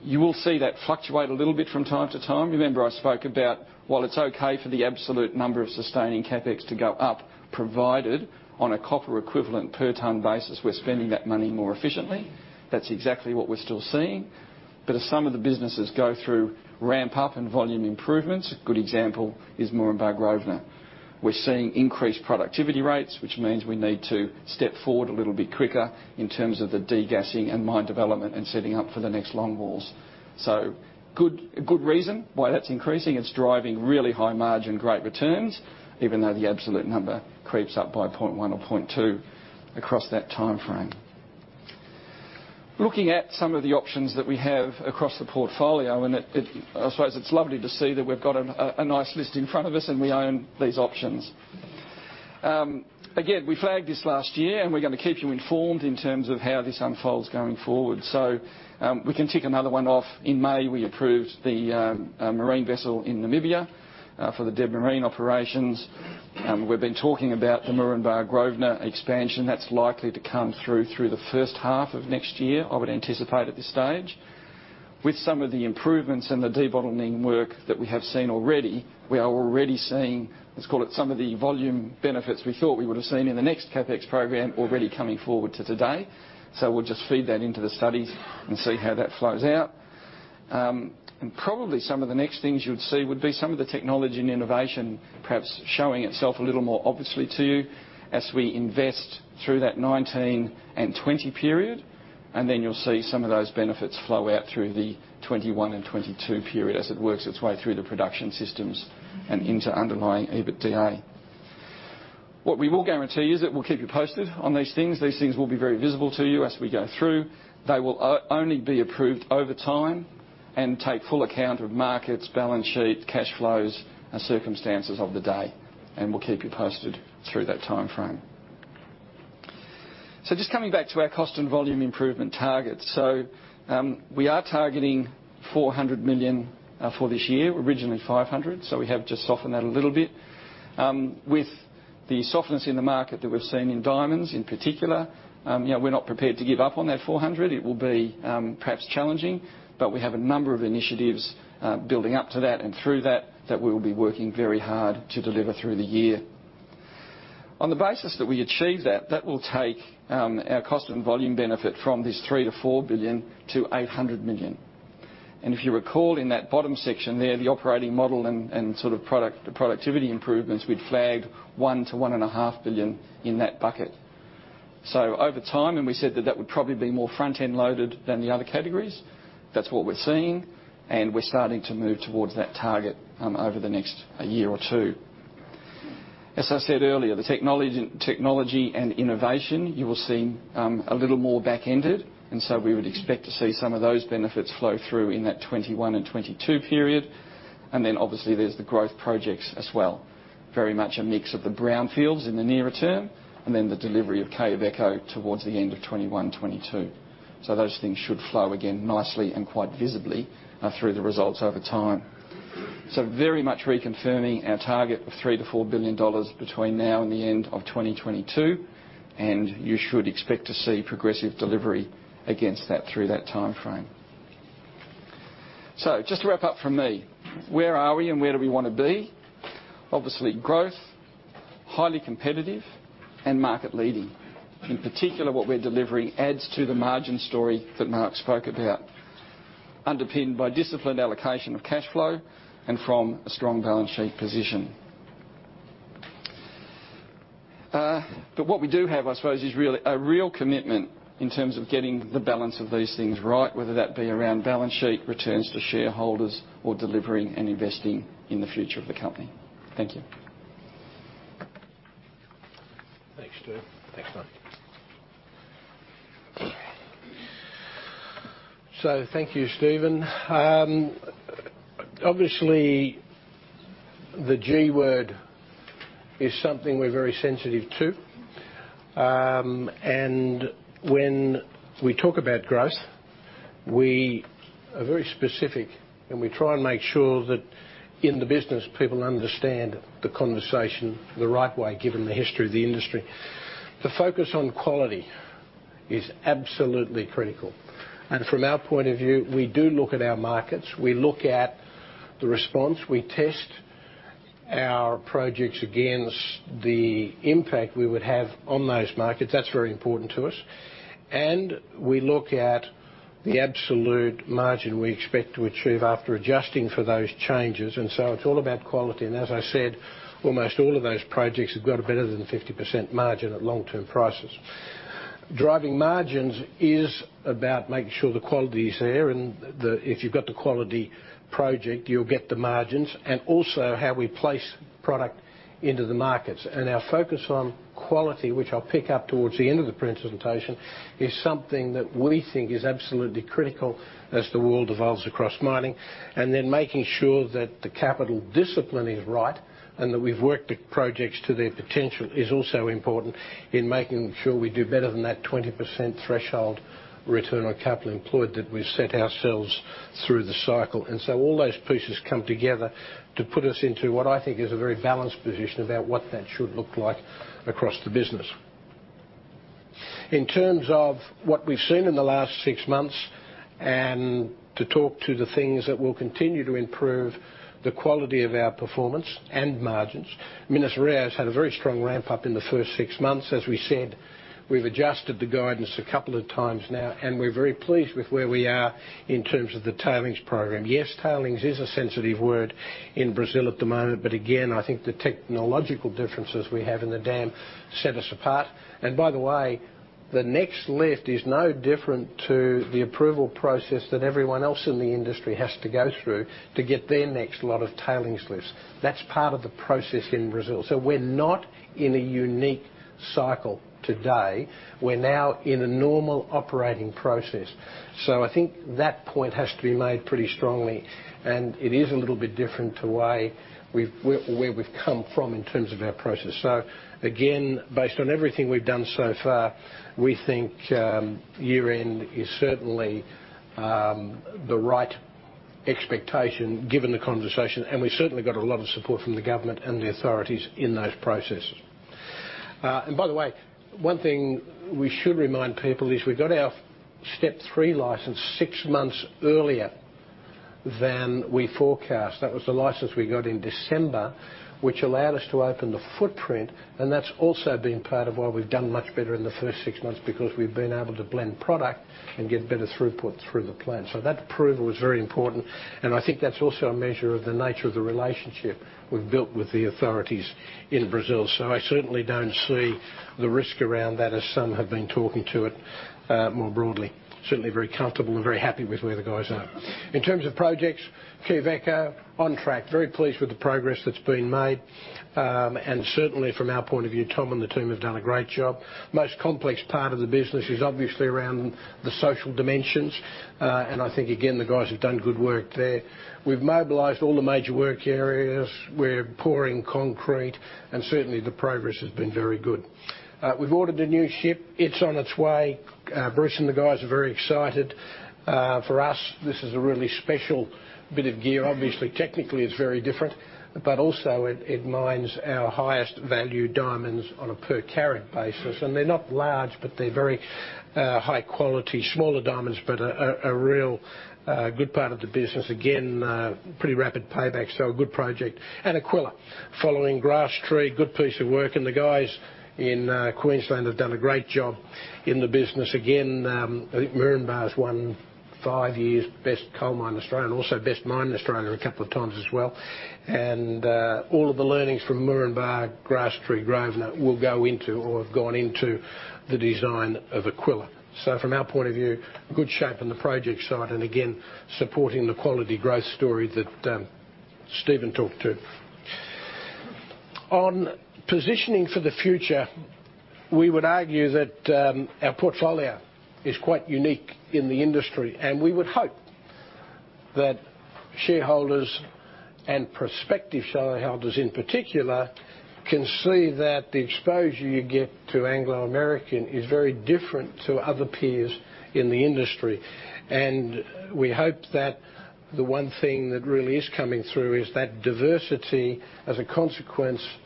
You will see that fluctuate a little bit from time to time. Remember I spoke about while it's okay for the absolute number of sustaining CapEx to go up, provided on a copper equivalent per ton basis, we're spending that money more efficiently. That's exactly what we're still seeing. As some of the businesses go through ramp-up and volume improvements, a good example is Moranbah Grosvenor. We're seeing increased productivity rates, which means we need to step forward a little bit quicker in terms of the degassing and mine development and setting up for the next long walls. A good reason why that's increasing. It's driving really high margin, great returns, even though the absolute number creeps up by 0.1 or 0.2 across that timeframe. Looking at some of the options that we have across the portfolio, I suppose it's lovely to see that we've got a nice list in front of us and we own these options. Again, we flagged this last year and we're going to keep you informed in terms of how this unfolds going forward. We can tick another one off. In May, we approved the marine vessel in Namibia for the Debmarine operations. We've been talking about the Moranbah Grosvenor expansion. That's likely to come through the first half of next year, I would anticipate at this stage. With some of the improvements in the debottlenecking work that we have seen already, we are already seeing, let's call it some of the volume benefits we thought we would have seen in the next CapEx program already coming forward to today. We'll just feed that into the studies and see how that flows out. Probably some of the next things you'd see would be some of the technology and innovation perhaps showing itself a little more obviously to you as we invest through that 2019 and 2020 period. Then you'll see some of those benefits flow out through the 2021 and 2022 period as it works its way through the production systems and into underlying EBITDA. What we will guarantee you is that we'll keep you posted on these things. These things will be very visible to you as we go through. They will only be approved over time and take full account of markets, balance sheet, cash flows, and circumstances of the day, and we'll keep you posted through that timeframe. Just coming back to our cost and volume improvement targets. We are targeting $400 million for this year. We were originally $500 million. We have just softened that a little bit. With the softness in the market that we've seen in diamonds in particular, we're not prepared to give up on that $400 million. It will be perhaps challenging, but we have a number of initiatives building up to that and through that we will be working very hard to deliver through the year. On the basis that we achieve that will take our cost and volume benefit from this $3 billion-$4 billion-$800 million. If you recall in that bottom section there, the operating model and product productivity improvements, we'd flagged $1 billion-$1.5 billion in that bucket. Over time, and we said that that would probably be more front-end loaded than the other categories. That's what we're seeing, and we're starting to move towards that target over the next year or two. As I said earlier, the technology and innovation, you will see a little more back-ended, and so we would expect to see some of those benefits flow through in that 2021 and 2022 period. Then obviously there's the growth projects as well. Very much a mix of the brownfields in the nearer term, and then the delivery of Quellaveco towards the end of 2021, 2022. Those things should flow again nicely and quite visibly through the results over time. Very much reconfirming our target of $3 billion-$4 billion between now and the end of 2022, and you should expect to see progressive delivery against that through that timeframe. Just to wrap up from me, where are we and where do we want to be? Obviously growth, highly competitive, and market leading. In particular, what we're delivering adds to the margin story that Mark spoke about, underpinned by disciplined allocation of cash flow and from a strong balance sheet position. What we do have, I suppose, is a real commitment in terms of getting the balance of these things right, whether that be around balance sheet returns to shareholders or delivering and investing in the future of the company. Thank you. Thanks, Stephen. Thanks, Mark. Thank you, Stephen. Obviously, the G word is something we're very sensitive to. When we talk about growth, we are very specific, and we try and make sure that in the business, people understand the conversation the right way, given the history of the industry. The focus on quality is absolutely critical. From our point of view, we do look at our markets. We look at the response. We test our projects against the impact we would have on those markets. That's very important to us. We look at the absolute margin we expect to achieve after adjusting for those changes. It's all about quality. As I said, almost all of those projects have got a better than 50% margin at long-term prices. Driving margins is about making sure the quality is there and if you've got the quality project, you'll get the margins. Also, how we place product into the markets. Our focus on quality, which I'll pick up towards the end of the presentation, is something that we think is absolutely critical as the world evolves across mining. Making sure that the capital discipline is right and that we've worked the projects to their potential is also important in making sure we do better than that 20% threshold return on capital employed that we've set ourselves through the cycle. All those pieces come together to put us into what I think is a very balanced position about what that should look like across the business. In terms of what we've seen in the last six months and to talk to the things that will continue to improve the quality of our performance and margins, Minas-Rio has had a very strong ramp up in the first six months. As we said, we've adjusted the guidance a couple of times now, and we're very pleased with where we are in terms of the tailings program. Yes, tailings is a sensitive word in Brazil at the moment, but again, I think the technological differences we have in the dam set us apart. By the way, the next lift is no different to the approval process that everyone else in the industry has to go through to get their next lot of tailings lifts. That's part of the process in Brazil. We're not in a unique cycle today. We're now in a normal operating process. I think that point has to be made pretty strongly, and it is a little bit different to where we've come from in terms of our process. Again, based on everything we've done so far, we think year-end is certainly the right expectation given the conversation. We certainly got a lot of support from the government and the authorities in those processes. By the way, one thing we should remind people is we got our step 3 license six months earlier than we forecast. That was the license we got in December, which allowed us to open the footprint, and that's also been part of why we've done much better in the first six months because we've been able to blend product and get better throughput through the plant. That approval was very important, and I think that's also a measure of the nature of the relationship we've built with the authorities in Brazil. I certainly don't see the risk around that as some have been talking to it more broadly. Certainly very comfortable and very happy with where the guys are. In terms of projects, Quellaveco on track. Very pleased with the progress that's been made. Certainly from our point of view, Tom and the team have done a great job. Most complex part of the business is obviously around the social dimensions. I think again, the guys have done good work there. We've mobilized all the major work areas. We're pouring concrete, and certainly the progress has been very good. We've ordered a new ship. It's on its way. Bruce and the guys are very excited. For us, this is a really special bit of gear. Obviously, technically it's very different, but also it mines our highest value diamonds on a per carat basis. They're not large, but they're very high quality. Smaller diamonds, but a real good part of the business. Again, pretty rapid payback, so a good project. Aquila. Following Grasstree, good piece of work. The guys in Queensland have done a great job in the business. Again, I think Moranbah has won five years Best Coal Mine Australia and also Best Mine in Australia a couple of times as well. All of the learnings from Moranbah, Grasstree, Grosvenor will go into or have gone into the design of Aquila. From our point of view, good shape on the project side, and again, supporting the quality growth story that Stephen talked to. On positioning for the future, we would argue that our portfolio is quite unique in the industry. We would hope that shareholders and prospective shareholders in particular can see that the exposure you get to Anglo American is very different to other peers in the industry. We hope that the one thing that really is coming through is that diversity as a consequence of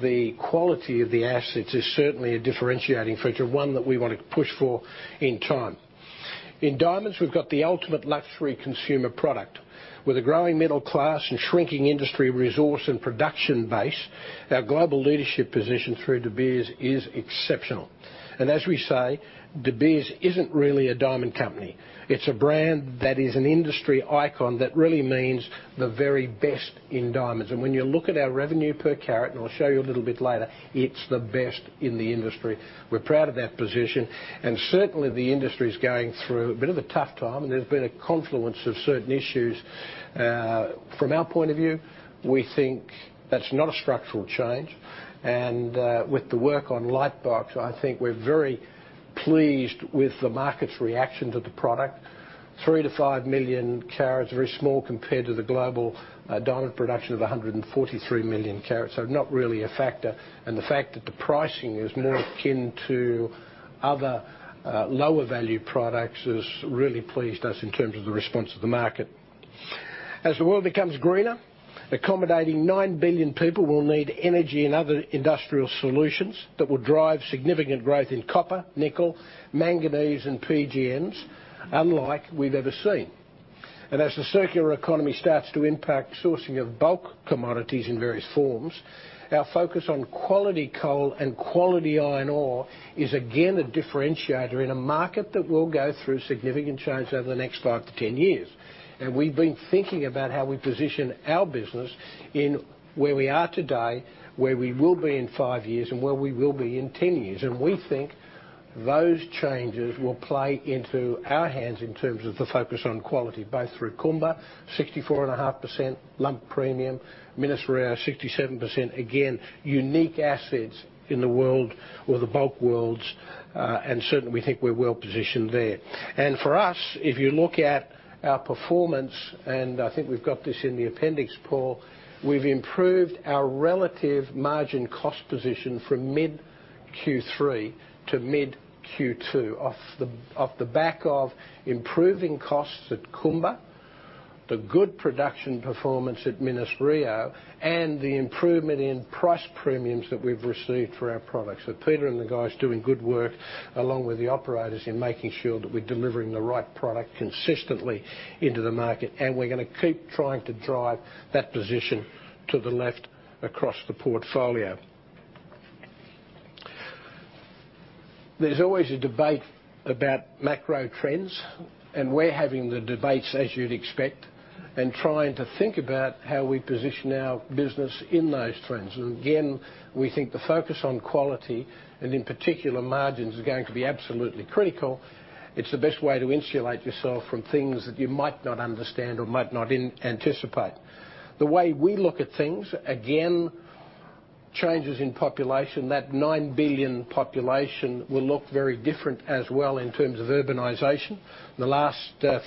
the quality of the assets is certainly a differentiating factor, one that we want to push for in time. In diamonds, we've got the ultimate luxury consumer product. With a growing middle class and shrinking industry resource and production base, our global leadership position through De Beers is exceptional. As we say, De Beers isn't really a diamond company. It's a brand that is an industry icon that really means the very best in diamonds. When you look at our revenue per carat, I'll show you a little bit later, it's the best in the industry. We're proud of that position. Certainly, the industry's going through a bit of a tough time, and there's been a confluence of certain issues. From our point of view, we think that's not a structural change. With the work on Lightbox, I think we're very pleased with the market's reaction to the product. 3 million-5 million carats are very small compared to the global diamond production of 143 million carats. Not really a factor. The fact that the pricing is more akin to other lower value products has really pleased us in terms of the response of the market. As the world becomes greener, accommodating 9 billion people will need energy and other industrial solutions that will drive significant growth in copper, nickel, manganese, and PGMs unlike we've ever seen. As the circular economy starts to impact sourcing of bulk commodities in various forms, our focus on quality coal and quality iron ore is again a differentiator in a market that will go through significant change over the next 5-10 years. We've been thinking about how we position our business in where we are today, where we will be in five years, and where we will be in 10 years. We think those changes will play into our hands in terms of the focus on quality, both through Kumba, 64.5% lump premium, Minas-Rio, 67%. Again, unique assets in the world or the bulk worlds. Certainly, we think we're well-positioned there. For us, if you look at our performance, I think we've got this in the appendix, Paul, we've improved our relative margin cost position from mid Q3 to mid Q2 off the back of improving costs at Kumba, the good production performance at Minas-Rio, and the improvement in price premiums that we've received for our products. Peter and the guys are doing good work along with the operators in making sure that we're delivering the right product consistently into the market, and we're going to keep trying to drive that position to the left across the portfolio. There's always a debate about macro trends, and we're having the debates as you'd expect, and trying to think about how we position our business in those trends. Again, we think the focus on quality, and in particular margins, is going to be absolutely critical. It's the best way to insulate yourself from things that you might not understand or might not anticipate. The way we look at things, again, changes in population. That 9 billion population will look very different as well in terms of urbanization. In the last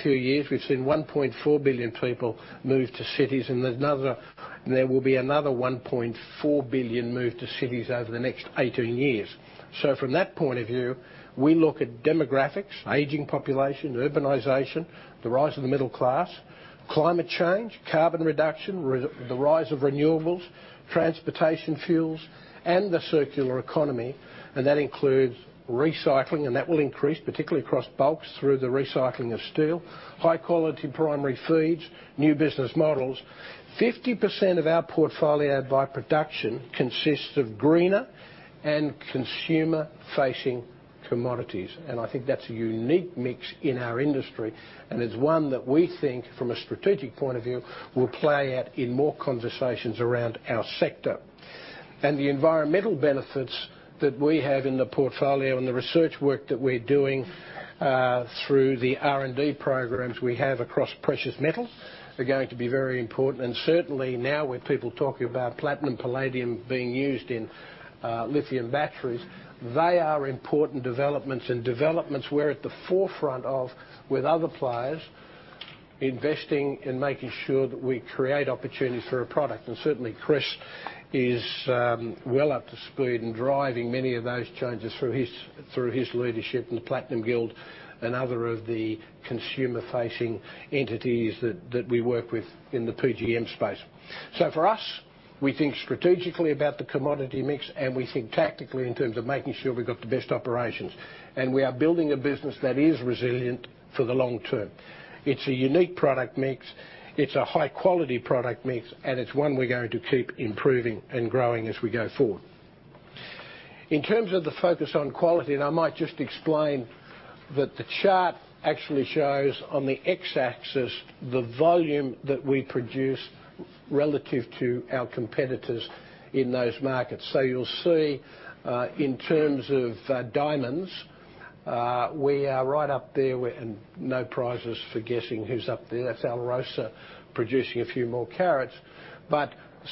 few years, we've seen 1.4 billion people move to cities, and there will be another 1.4 billion move to cities over the next 18 years. From that point of view, we look at demographics, aging population, urbanization, the rise of the middle class, climate change, carbon reduction, the rise of renewables, transportation fuels, and the circular economy. That includes recycling, and that will increase, particularly across bulks through the recycling of steel. High quality primary feeds, new business models. 50% of our portfolio by production consists of greener and consumer-facing commodities. I think that's a unique mix in our industry, and it's one that we think from a strategic point of view will play out in more conversations around our sector. The environmental benefits that we have in the portfolio and the research work that we're doing through the R&D programs we have across precious metals are going to be very important. Certainly now with people talking about platinum, palladium being used in lithium batteries, they are important developments and developments we're at the forefront of with other players. Investing in making sure that we create opportunity for a product. Certainly, Chris is well up to speed in driving many of those changes through his leadership in the Platinum Guild and other of the consumer-facing entities that we work with in the PGM space. For us, we think strategically about the commodity mix, and we think tactically in terms of making sure we've got the best operations. We are building a business that is resilient for the long term. It's a unique product mix, it's a high-quality product mix, and it's one we're going to keep improving and growing as we go forward. In terms of the focus on quality, and I might just explain that the chart actually shows on the X-axis, the volume that we produce relative to our competitors in those markets. You'll see, in terms of diamonds, we are right up there. No prizes for guessing who's up there. That's ALROSA producing a few more carats.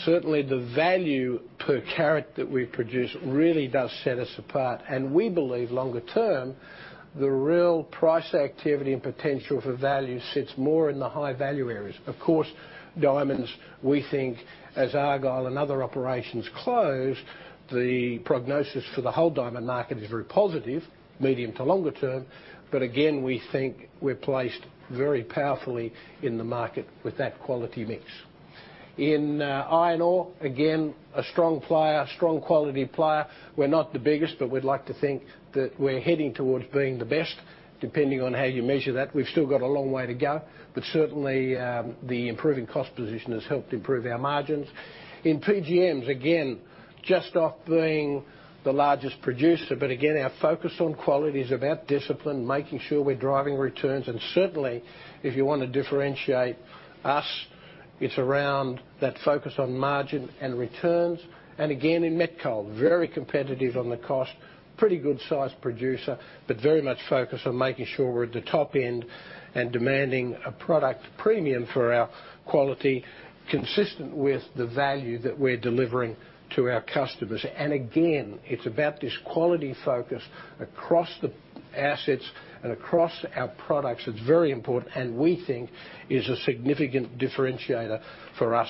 Certainly, the value per carat that we produce really does set us apart. We believe longer term, the real price activity and potential for value sits more in the high-value areas. Of course, diamonds, we think as Argyle and other operations close, the prognosis for the whole diamond market is very positive, medium to longer term. Again, we think we're placed very powerfully in the market with that quality mix. In iron ore, again, a strong player, strong quality player. We're not the biggest, but we'd like to think that we're heading towards being the best, depending on how you measure that. We've still got a long way to go, but certainly, the improving cost position has helped improve our margins. In PGMs, again, just off being the largest producer. Again, our focus on quality is about discipline, making sure we're driving returns. Certainly, if you want to differentiate us, it's around that focus on margin and returns. Again, in met coal, very competitive on the cost. Pretty good-sized producer, but very much focused on making sure we're at the top end and demanding a product premium for our quality, consistent with the value that we're delivering to our customers. Again, it's about this quality focus across the assets and across our products. It's very important, and we think is a significant differentiator for us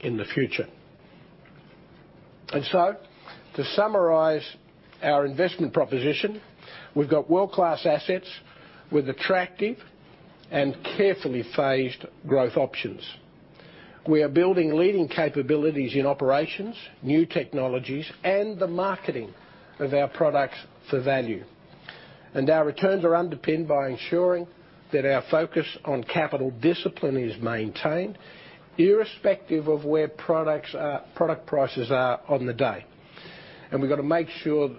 in the future. To summarize our investment proposition, we've got world-class assets with attractive and carefully phased growth options. We are building leading capabilities in operations, new technologies, and the marketing of our products for value. Our returns are underpinned by ensuring that our focus on capital discipline is maintained irrespective of where product prices are on the day. We've got to make sure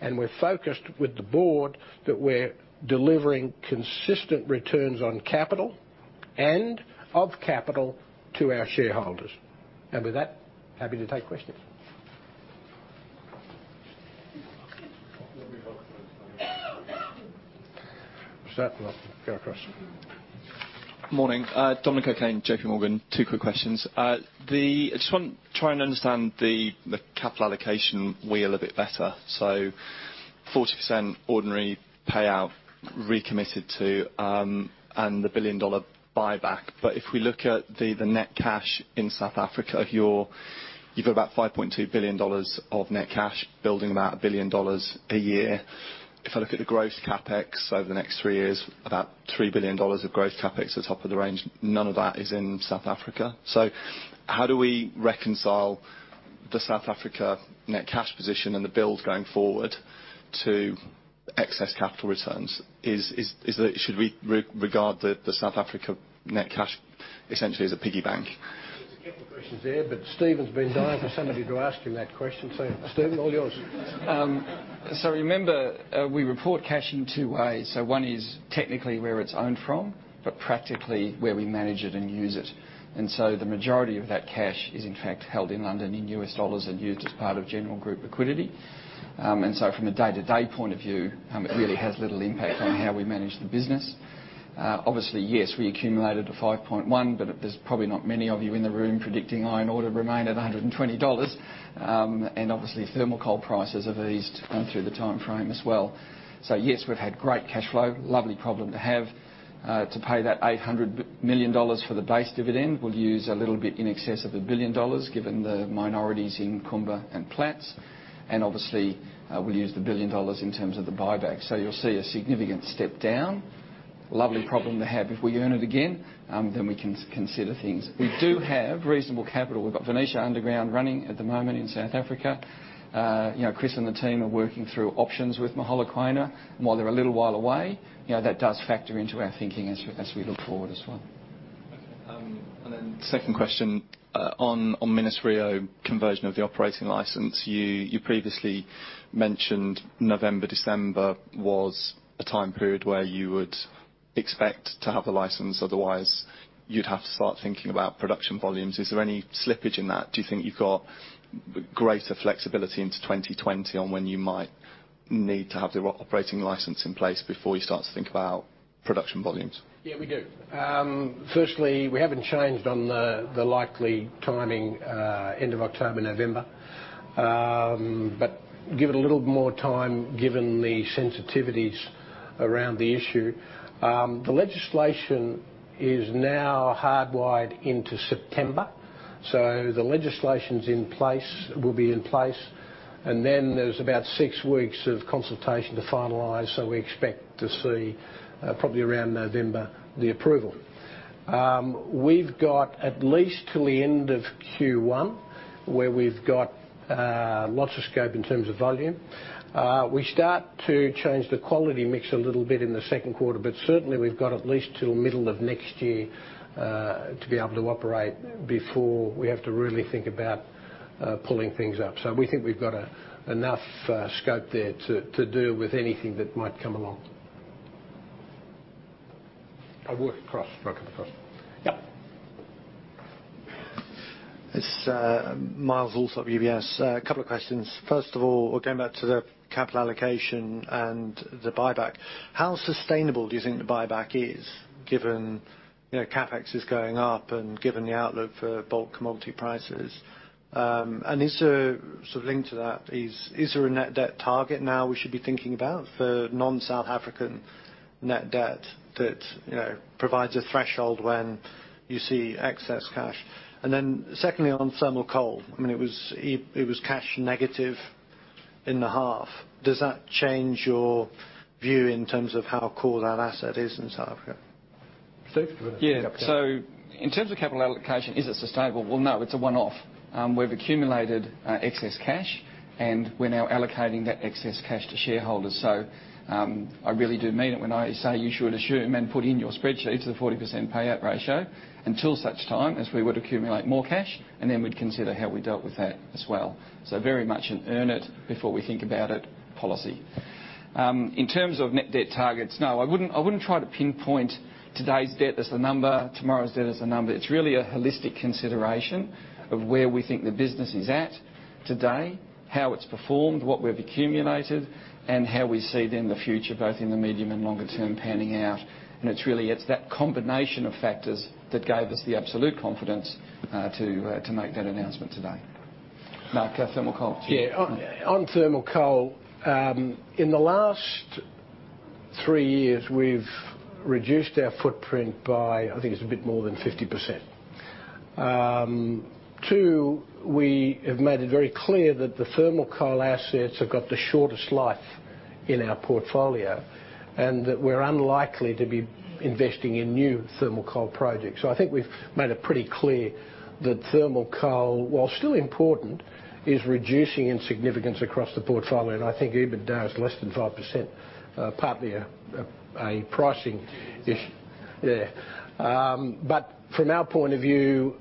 and we're focused with the board that we're delivering consistent returns on capital and of capital to our shareholders. With that, happy to take questions. What's that? Go across. Morning. Dominic O'Kane, JPMorgan. Two quick questions. I just want to try and understand the capital allocation wheel a bit better. 40% ordinary payout recommitted to and the $1 billion buyback. If we look at the net cash in South Africa, you've got about $5.2 billion of net cash, building about $1 billion a year. If I look at the gross CapEx over the next three years, about $3 billion of growth CapEx at the top of the range. None of that is in South Africa. How do we reconcile the South Africa net cash position and the build going forward to excess capital returns? Should we regard the South Africa net cash essentially as a piggy bank? There's a couple of questions there. Stephen's been dying for somebody to ask him that question. Stephen, all yours. Remember, we report cash in two ways. One is technically where it's owned from, but practically where we manage it and use it. The majority of that cash is in fact held in London in US dollars and used as part of general group liquidity. From a day-to-day point of view, it really has little impact on how we manage the business. Obviously, yes, we accumulated a 5.1, but there's probably not many of you in the room predicting iron ore to remain at $120. Obviously, thermal coal prices have eased through the timeframe as well. Yes, we've had great cash flow. Lovely problem to have. To pay that $800 million for the base dividend, we'll use a little bit in excess of $1 billion given the minorities in Kumba and Amplats. Obviously, we'll use the $1 billion in terms of the buyback. You'll see a significant step down. Lovely problem to have. If we earn it again, then we can consider things. We do have reasonable capital. We've got Venetia Underground running at the moment in South Africa. Chris and the team are working through options with Mogalakwena. While they're a little while away, that does factor into our thinking as we look forward as well. Okay. Second question, on Minas-Rio conversion of the operating license. You previously mentioned November, December was a time period where you would expect to have the license, otherwise you'd have to start thinking about production volumes. Is there any slippage in that? Do you think you've got greater flexibility into 2020 on when you might need to have the operating license in place before you start to think about production volumes? Yeah, we do. Firstly, we haven't changed on the likely timing, end of October, November. Give it a little more time, given the sensitivities around the issue. The legislation is now hardwired into September. The legislation will be in place, and then there's about six weeks of consultation to finalize. We expect to see probably around November the approval. We've got at least till the end of Q1, where we've got lots of scope in terms of volume. We start to change the quality mix a little bit in the second quarter, but certainly we've got at least till middle of next year to be able to operate before we have to really think about pulling things up. We think we've got enough scope there to deal with anything that might come along. I'll work across. Okay. Across. Yep. It's Myles of UBS. A couple of questions. First of all, going back to the capital allocation and the buyback. How sustainable do you think the buyback is given, CapEx is going up and given the outlook for bulk commodity prices? Sort of linked to that is there a net debt target now we should be thinking about for non-South African net debt that provides a threshold when you see excess cash? Then secondly, on thermal coal. It was cash negative in the half. Does that change your view in terms of how core that asset is in South Africa? Stephen, do you want to. Yeah. Okay. In terms of capital allocation, is it sustainable? Well, no, it's a one-off. We've accumulated excess cash, and we're now allocating that excess cash to shareholders. I really do mean it when I say you should assume and put in your spreadsheets a 40% payout ratio until such time as we would accumulate more cash, and then we'd consider how we dealt with that as well. Very much an earn it before we think about it policy. In terms of net debt targets, no. I wouldn't try to pinpoint today's debt as the number, tomorrow's debt as a number. It's really a holistic consideration of where we think the business is at today, how it's performed, what we've accumulated, and how we see it in the future, both in the medium and longer term panning out. It's really, it's that combination of factors that gave us the absolute confidence to make that announcement today. Mark, thermal coal. Yeah. On thermal coal. In the last three years, we've reduced our footprint by, I think it's a bit more than 50%. Two, we have made it very clear that the thermal coal assets have got the shortest life in our portfolio. That we're unlikely to be investing in new thermal coal projects. I think we've made it pretty clear that thermal coal, while still important, is reducing in significance across the portfolio. I think EBITDA is less than 5%, partly a pricing issue. Issue. From our point of view,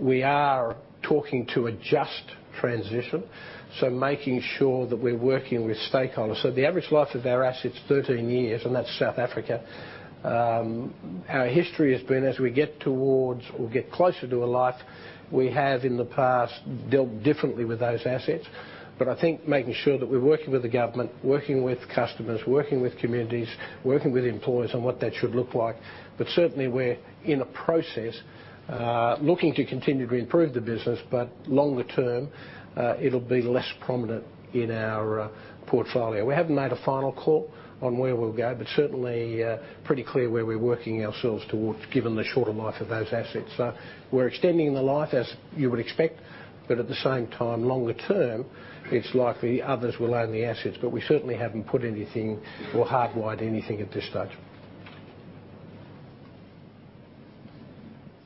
we are talking to a just transition. Making sure that we're working with stakeholders. The average life of our assets is 13 years, and that's South Africa. Our history has been as we get towards or get closer to a life, we have in the past dealt differently with those assets. I think making sure that we're working with the government, working with customers, working with communities, working with employers on what that should look like. Certainly, we're in a process, looking to continue to improve the business. Longer term, it'll be less prominent in our portfolio. We haven't made a final call on where we'll go, but certainly, pretty clear where we're working ourselves towards, given the shorter life of those assets. We're extending the life as you would expect, but at the same time, longer term, it's likely others will own the assets. We certainly haven't put anything or hardwired anything at this stage.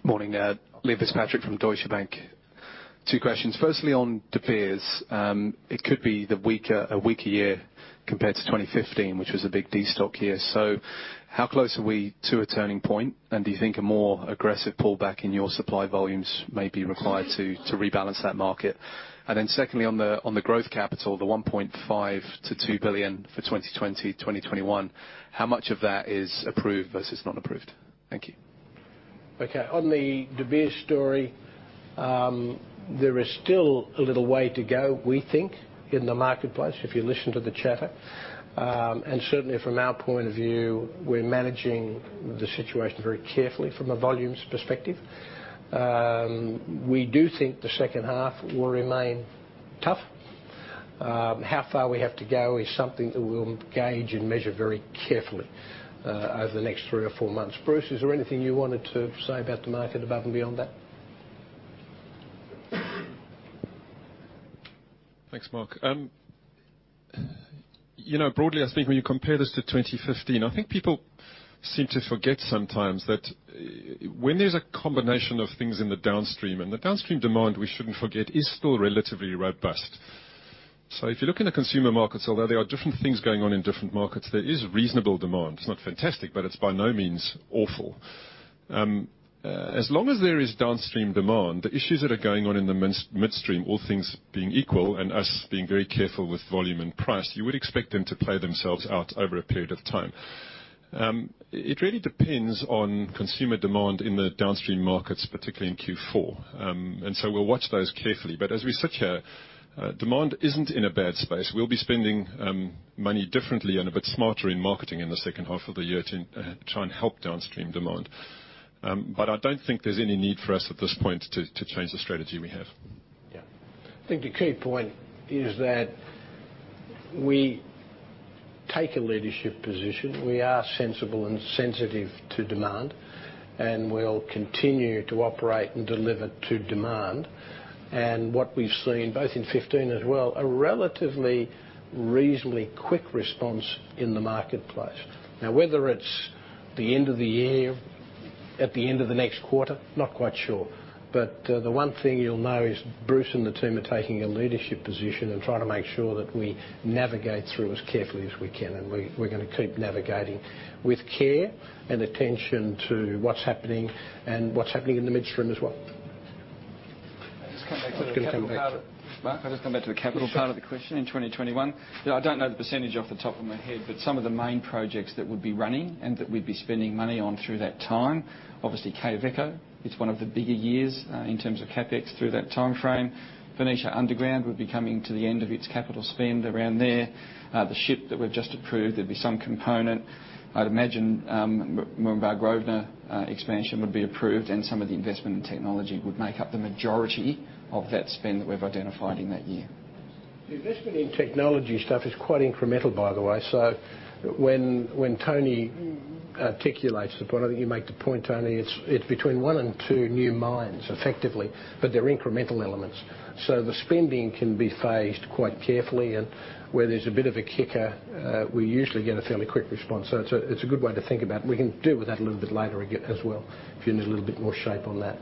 Morning. Liam Fitzpatrick from Deutsche Bank. Two questions. Firstly, on De Beers. It could be a weaker year compared to 2015, which was a big destock year. How close are we to a turning point? Do you think a more aggressive pullback in your supply volumes may be required to rebalance that market? Secondly, on the growth capital, the $1.5 billion-$2 billion for 2020, 2021. How much of that is approved versus not approved? Thank you. Okay. On the De Beers story. There is still a little way to go, we think, in the marketplace, if you listen to the chatter. Certainly, from our point of view, we're managing the situation very carefully from a volumes perspective. We do think the second half will remain tough. How far we have to go is something that we'll gauge and measure very carefully over the next three or four months. Bruce, is there anything you wanted to say about the market above and beyond that? Thanks, Mark. Broadly, I think when you compare this to 2015, I think people seem to forget sometimes that when there's a combination of things in the downstream, and the downstream demand, we shouldn't forget, is still relatively robust. If you look in the consumer markets, although there are different things going on in different markets, there is reasonable demand. It's not fantastic, but it's by no means awful. As long as there is downstream demand, the issues that are going on in the midstream, all things being equal, and us being very careful with volume and price, you would expect them to play themselves out over a period of time. It really depends on consumer demand in the downstream markets, particularly in Q4. We'll watch those carefully. But as we sit here Demand isn't in a bad space. We'll be spending money differently and a bit smarter in marketing in the second half of the year to try and help downstream demand. I don't think there's any need for us at this point to change the strategy we have. Yeah. I think the key point is that we take a leadership position. We are sensible and sensitive to demand, and we'll continue to operate and deliver to demand. What we've seen, both in 2015 as well, a relatively reasonably quick response in the marketplace. Now, whether it's the end of the year, at the end of the next quarter, not quite sure. The one thing you'll know is Bruce and the team are taking a leadership position and trying to make sure that we navigate through as carefully as we can. We're going to keep navigating with care and attention to what's happening and what's happening in the midstream as well. I'll just come back to the capital part. Just going to come back to- Mark, I'll just come back to the capital part of the question. In 2021, I don't know the percentage off the top of my head, but some of the main projects that would be running and that we'd be spending money on through that time, obviously, Quellaveco, it's one of the bigger years, in terms of CapEx through that timeframe. Venetia Underground would be coming to the end of its capital spend around there. The ship that we've just approved, there'd be some component. I'd imagine Mogalakwena expansion would be approved and some of the investment in technology would make up the majority of that spend that we've identified in that year. The investment in technology stuff is quite incremental, by the way. When Tony articulates the point, I think you make the point, Tony, it's between one and two new mines effectively, but they're incremental elements. The spending can be phased quite carefully, and where there's a bit of a kicker, we usually get a fairly quick response. It's a good way to think about. We can deal with that a little bit later again as well, if you need a little bit more shape on that.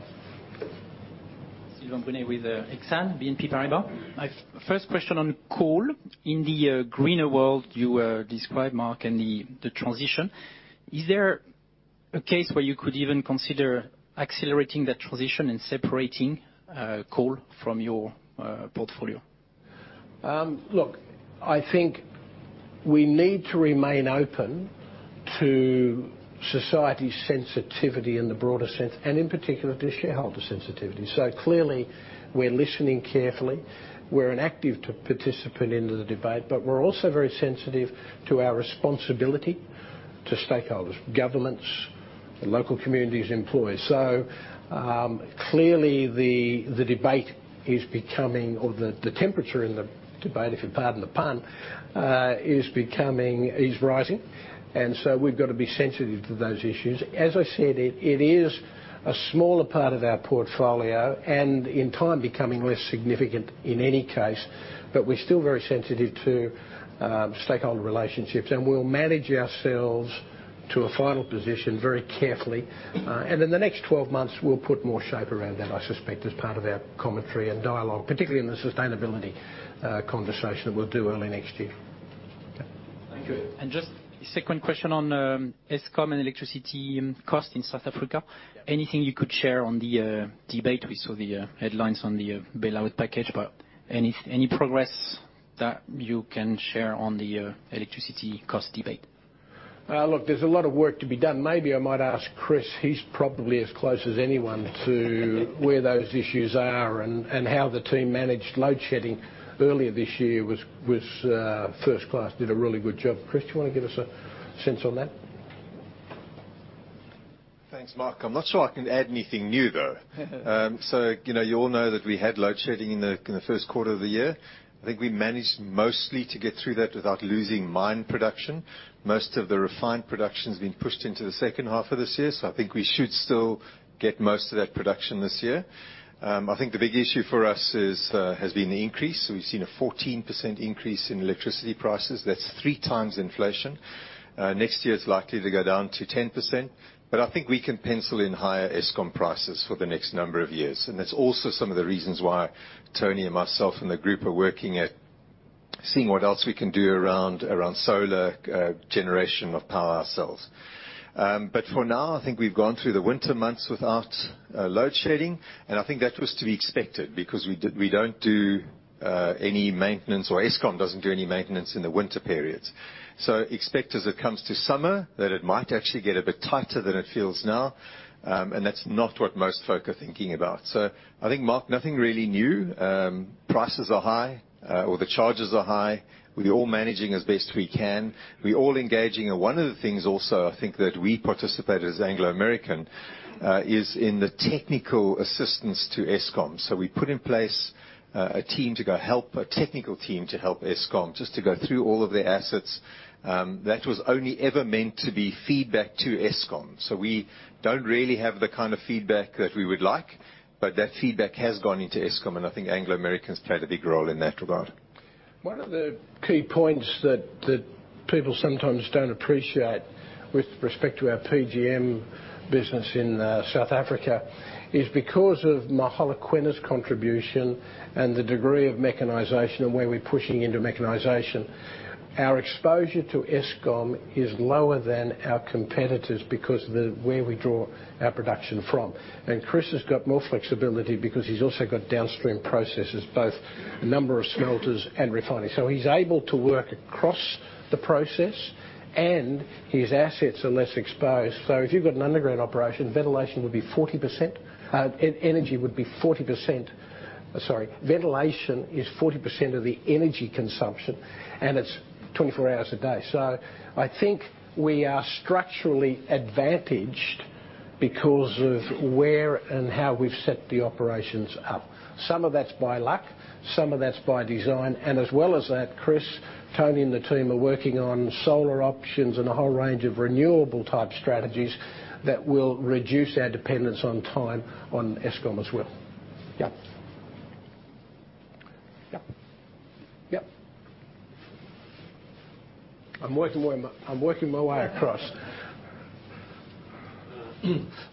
Sylvain Brunet with Exane BNP Paribas. My first question on coal. In the greener world you described, Mark, and the transition, is there a case where you could even consider accelerating that transition and separating coal from your portfolio? Look, I think we need to remain open to society sensitivity in the broader sense and in particular to shareholder sensitivity. Clearly, we're listening carefully. We're an active participant in the debate, but we're also very sensitive to our responsibility to stakeholders, governments, and local communities, employers. Clearly the debate is becoming or the temperature in the debate, if you pardon the pun, is rising. We've got to be sensitive to those issues. As I said, it is a smaller part of our portfolio and in time becoming less significant in any case, but we're still very sensitive to stakeholder relationships, and we'll manage ourselves to a final position very carefully. In the next 12 months, we'll put more shape around that, I suspect, as part of our commentary and dialogue, particularly in the sustainability conversation that we'll do early next year. Okay. Thank you. Just a second question on Eskom and electricity cost in South Africa. Yeah. Anything you could share on the debate? We saw the headlines on the bailout package. Any progress that you can share on the electricity cost debate? Look, there's a lot of work to be done. Maybe I might ask Chris. He's probably as close as anyone to where those issues are and how the team managed load shedding earlier this year was first class. Did a really good job. Chris, do you want to give us a sense on that? Thanks, Mark. I'm not sure I can add anything new, though. You all know that we had load shedding in the first quarter of the year. I think we managed mostly to get through that without losing mine production. Most of the refined production has been pushed into the second half of this year. I think we should still get most of that production this year. I think the big issue for us has been the increase. We've seen a 14% increase in electricity prices. That's three times inflation. Next year it's likely to go down to 10%. I think we can pencil in higher Eskom prices for the next number of years. That's also some of the reasons why Tony and myself and the group are working at seeing what else we can do around solar generation of power ourselves. For now, I think we've gone through the winter months without load shedding. I think that was to be expected because we don't do any maintenance or Eskom doesn't do any maintenance in the winter periods. Expect as it comes to summer that it might actually get a bit tighter than it feels now. That's not what most folk are thinking about. I think, Mark, nothing really new. Prices are high, or the charges are high. We're all managing as best we can. We're all engaging. One of the things also I think that we participate as Anglo American is in the technical assistance to Eskom. We put in place a team to go help, a technical team to help Eskom just to go through all of their assets. That was only ever meant to be feedback to Eskom. We don't really have the kind of feedback that we would like, but that feedback has gone into Eskom, and I think Anglo American's played a big role in that regard. One of the key points that people sometimes don't appreciate with respect to our PGMs business in South Africa is because of Mogalakwena's contribution and the degree of mechanization and where we're pushing into mechanization, our exposure to Eskom is lower than our competitors because where we draw our production from. Chris has got more flexibility because he's also got downstream processes, both a number of smelters and refineries. He's able to work across the process and his assets are less exposed. If you've got an underground operation, ventilation is 40% of the energy consumption, and it's 24 hours a day. I think we are structurally advantaged because of where and how we've set the operations up. Some of that's by luck. Some of that's by design, and as well as that, Chris, Tony, and the team are working on solar options and a whole range of renewable type strategies that will reduce our dependence on time on Eskom as well. Yep. I'm working my way across.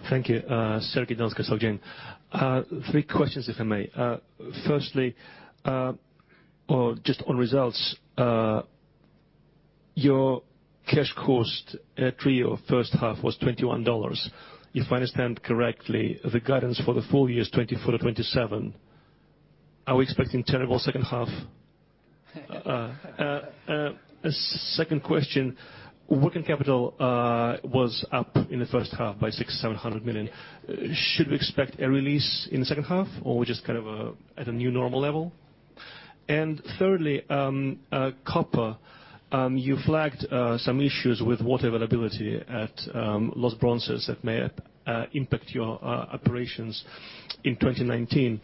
Thank you. Sergey Donskoy, Société Générale. Three questions, if I may. Firstly, or just on results, your cash cost at Minas-Rio first half was $21. If I understand correctly, the guidance for the full year is $24-$27. Are we expecting terrible second half? Second question, working capital was up in the first half by $600 million-$700 million. Should we expect a release in the second half, or are we just at a new normal level? Thirdly, copper. You flagged some issues with water availability at Los Bronces that may impact your operations in 2020.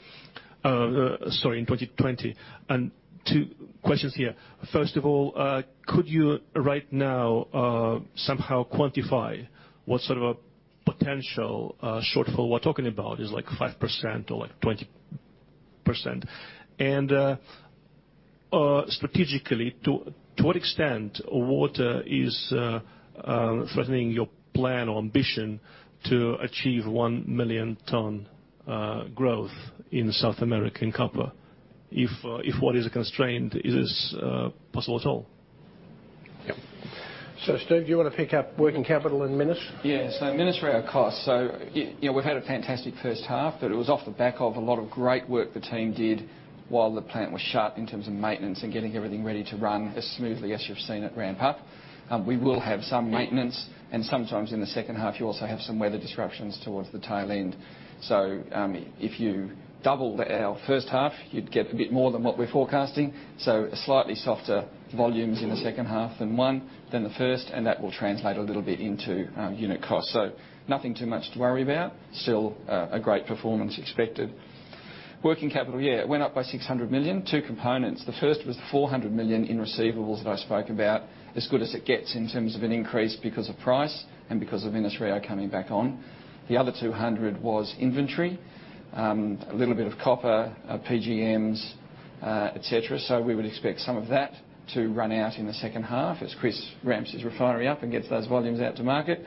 Two questions here. First of all, could you right now somehow quantify what sort of a potential shortfall we're talking about? Is like 5% or like 20%? Strategically, to what extent water is threatening your plan or ambition to achieve 1 million ton growth in South American copper? If water is a constraint, is this possible at all? Yep. Stephen, do you want to pick up working capital and Minera? Yes. Minas-Rio costs. We've had a fantastic first half, but it was off the back of a lot of great work the team did while the plant was shut in terms of maintenance and getting everything ready to run as smoothly as you've seen it ramp up. We will have some maintenance, and sometimes in the second half, you also have some weather disruptions towards the tail end. If you double our first half, you'd get a bit more than what we're forecasting. Slightly softer volumes in the second half than the first, and that will translate a little bit into unit cost. Nothing too much to worry about. Still a great performance expected. Working capital, yeah, it went up by $600 million. Two components. The first was the 400 million in receivables that I spoke about, as good as it gets in terms of an increase because of price and because of Minas-Rio coming back on. The other 200 was inventory. A little bit of copper, PGMs, et cetera. We would expect some of that to run out in the second half as Chris ramps his refinery up and gets those volumes out to market.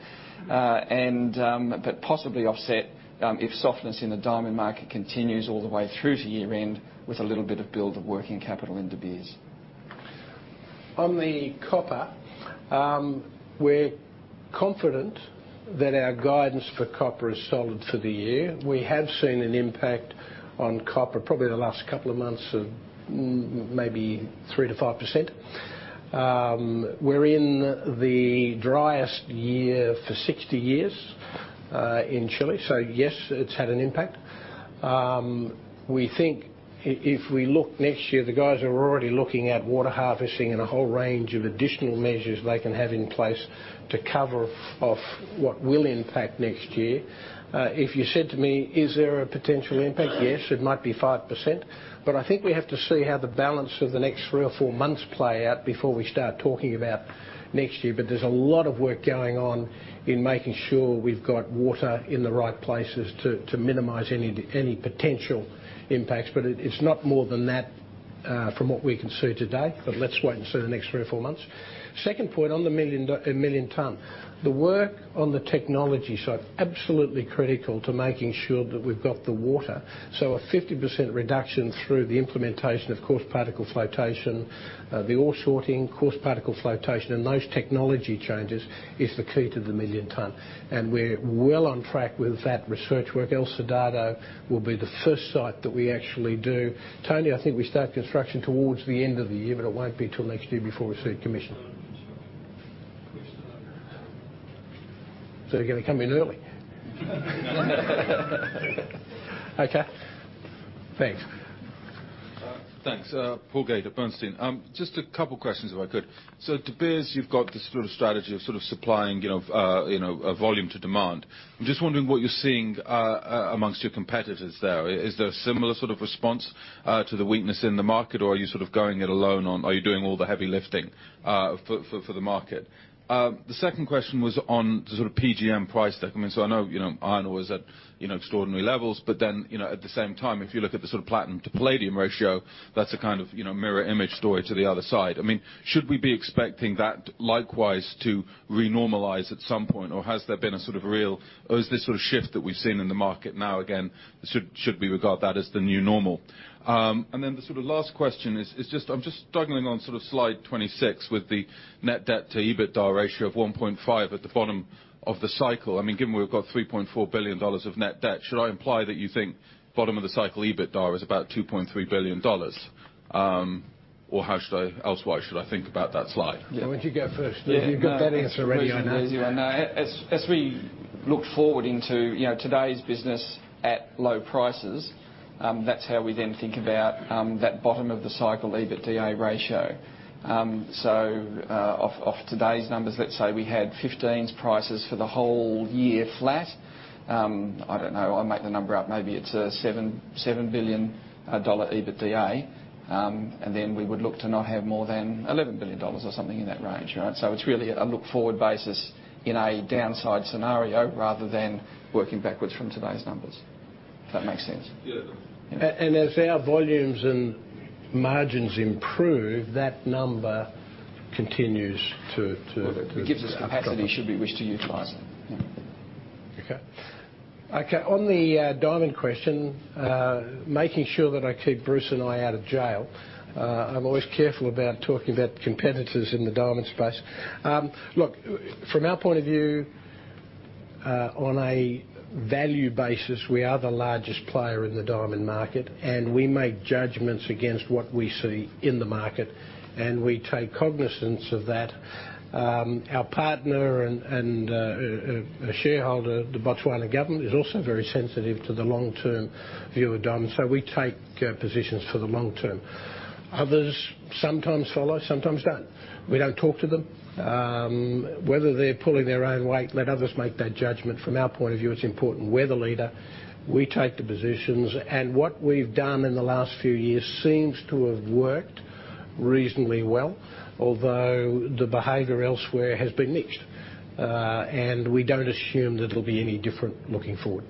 Possibly offset if softness in the diamond market continues all the way through to year-end with a little bit of build of working capital in De Beers. On the copper, we're confident that our guidance for copper is solid for the year. We have seen an impact on copper probably the last couple of months of maybe 3%-5%. We're in the driest year for 60 years in Chile. Yes, it's had an impact. We think if we look next year, the guys are already looking at water harvesting and a whole range of additional measures they can have in place to cover off what will impact next year. If you said to me, "Is there a potential impact?" Yes, it might be 5%, but I think we have to see how the balance of the next three or four months play out before we start talking about next year. There's a lot of work going on in making sure we've got water in the right places to minimize any potential impacts. It's not more than that from what we can see today. Let's wait and see the next three or four months. Second point on the million ton. The work on the technology side, absolutely critical to making sure that we've got the water. A 50% reduction through the implementation of coarse particle flotation. The ore sorting, coarse particle flotation, and those technology changes is the key to the million ton. We're well on track with that research work. El Soldado will be the first site that we actually do. Tony, I think we start construction towards the end of the year, but it won't be till next year before we see commission. You're going to come in early? Okay. Thanks. Thanks. Paul Gait, Bernstein. Just a couple questions if I could. De Beers, you've got this strategy of supplying a volume to demand. I'm just wondering what you're seeing amongst your competitors there. Is there a similar sort of response to the weakness in the market, or are you going it alone on, are you doing all the heavy lifting for the market? The second question was on the PGM price decline. I know iron ore is at extraordinary levels, but then, at the same time, if you look at the platinum to palladium ratio, that's a kind of mirror image story to the other side. Should we be expecting that likewise to re-normalize at some point, or has there been a sort of real, or is this sort of shift that we've seen in the market now again, should we regard that as the new normal? The last question is just I'm just struggling on slide 26 with the net debt to EBITDA ratio of 1.5 at the bottom of the cycle. Given we've got $3.4 billion of net debt, should I imply that you think bottom of the cycle EBITDA is about $2.3 billion? How elsewise should I think about that slide? Yeah. Why don't you go first? Yeah. You've got that answer ready, I know. As we look forward into today's business at low prices, that's how we then think about that bottom of the cycle EBITDA ratio. Off today's numbers, let's say we had 2015's prices for the whole year flat. I don't know, I'll make the number up. Maybe it's a $7 billion EBITDA. Then we would look to not have more than $11 billion or something in that range. Right? It's really a look forward basis in a downside scenario rather than working backwards from today's numbers. If that makes sense. Yeah, it does. As our volumes and margins improve, that number continues. It gives us capacity should we wish to utilize. Yeah. Okay. On the diamond question, making sure that I keep Bruce and I out of jail, I am always careful about talking about competitors in the diamond space. Look, from our point of view, on a value basis, we are the largest player in the diamond market, and we make judgments against what we see in the market, and we take cognizance of that. Our partner and shareholder, the Botswana government, is also very sensitive to the long-term view of diamonds. We take positions for the long term. Others sometimes follow, sometimes don't. We don't talk to them. Whether they are pulling their own weight, let others make that judgment. From our point of view, it is important. We are the leader. We take the positions. What we have done in the last few years seems to have worked reasonably well, although the behavior elsewhere has been mixed. We don't assume that it'll be any different looking forward.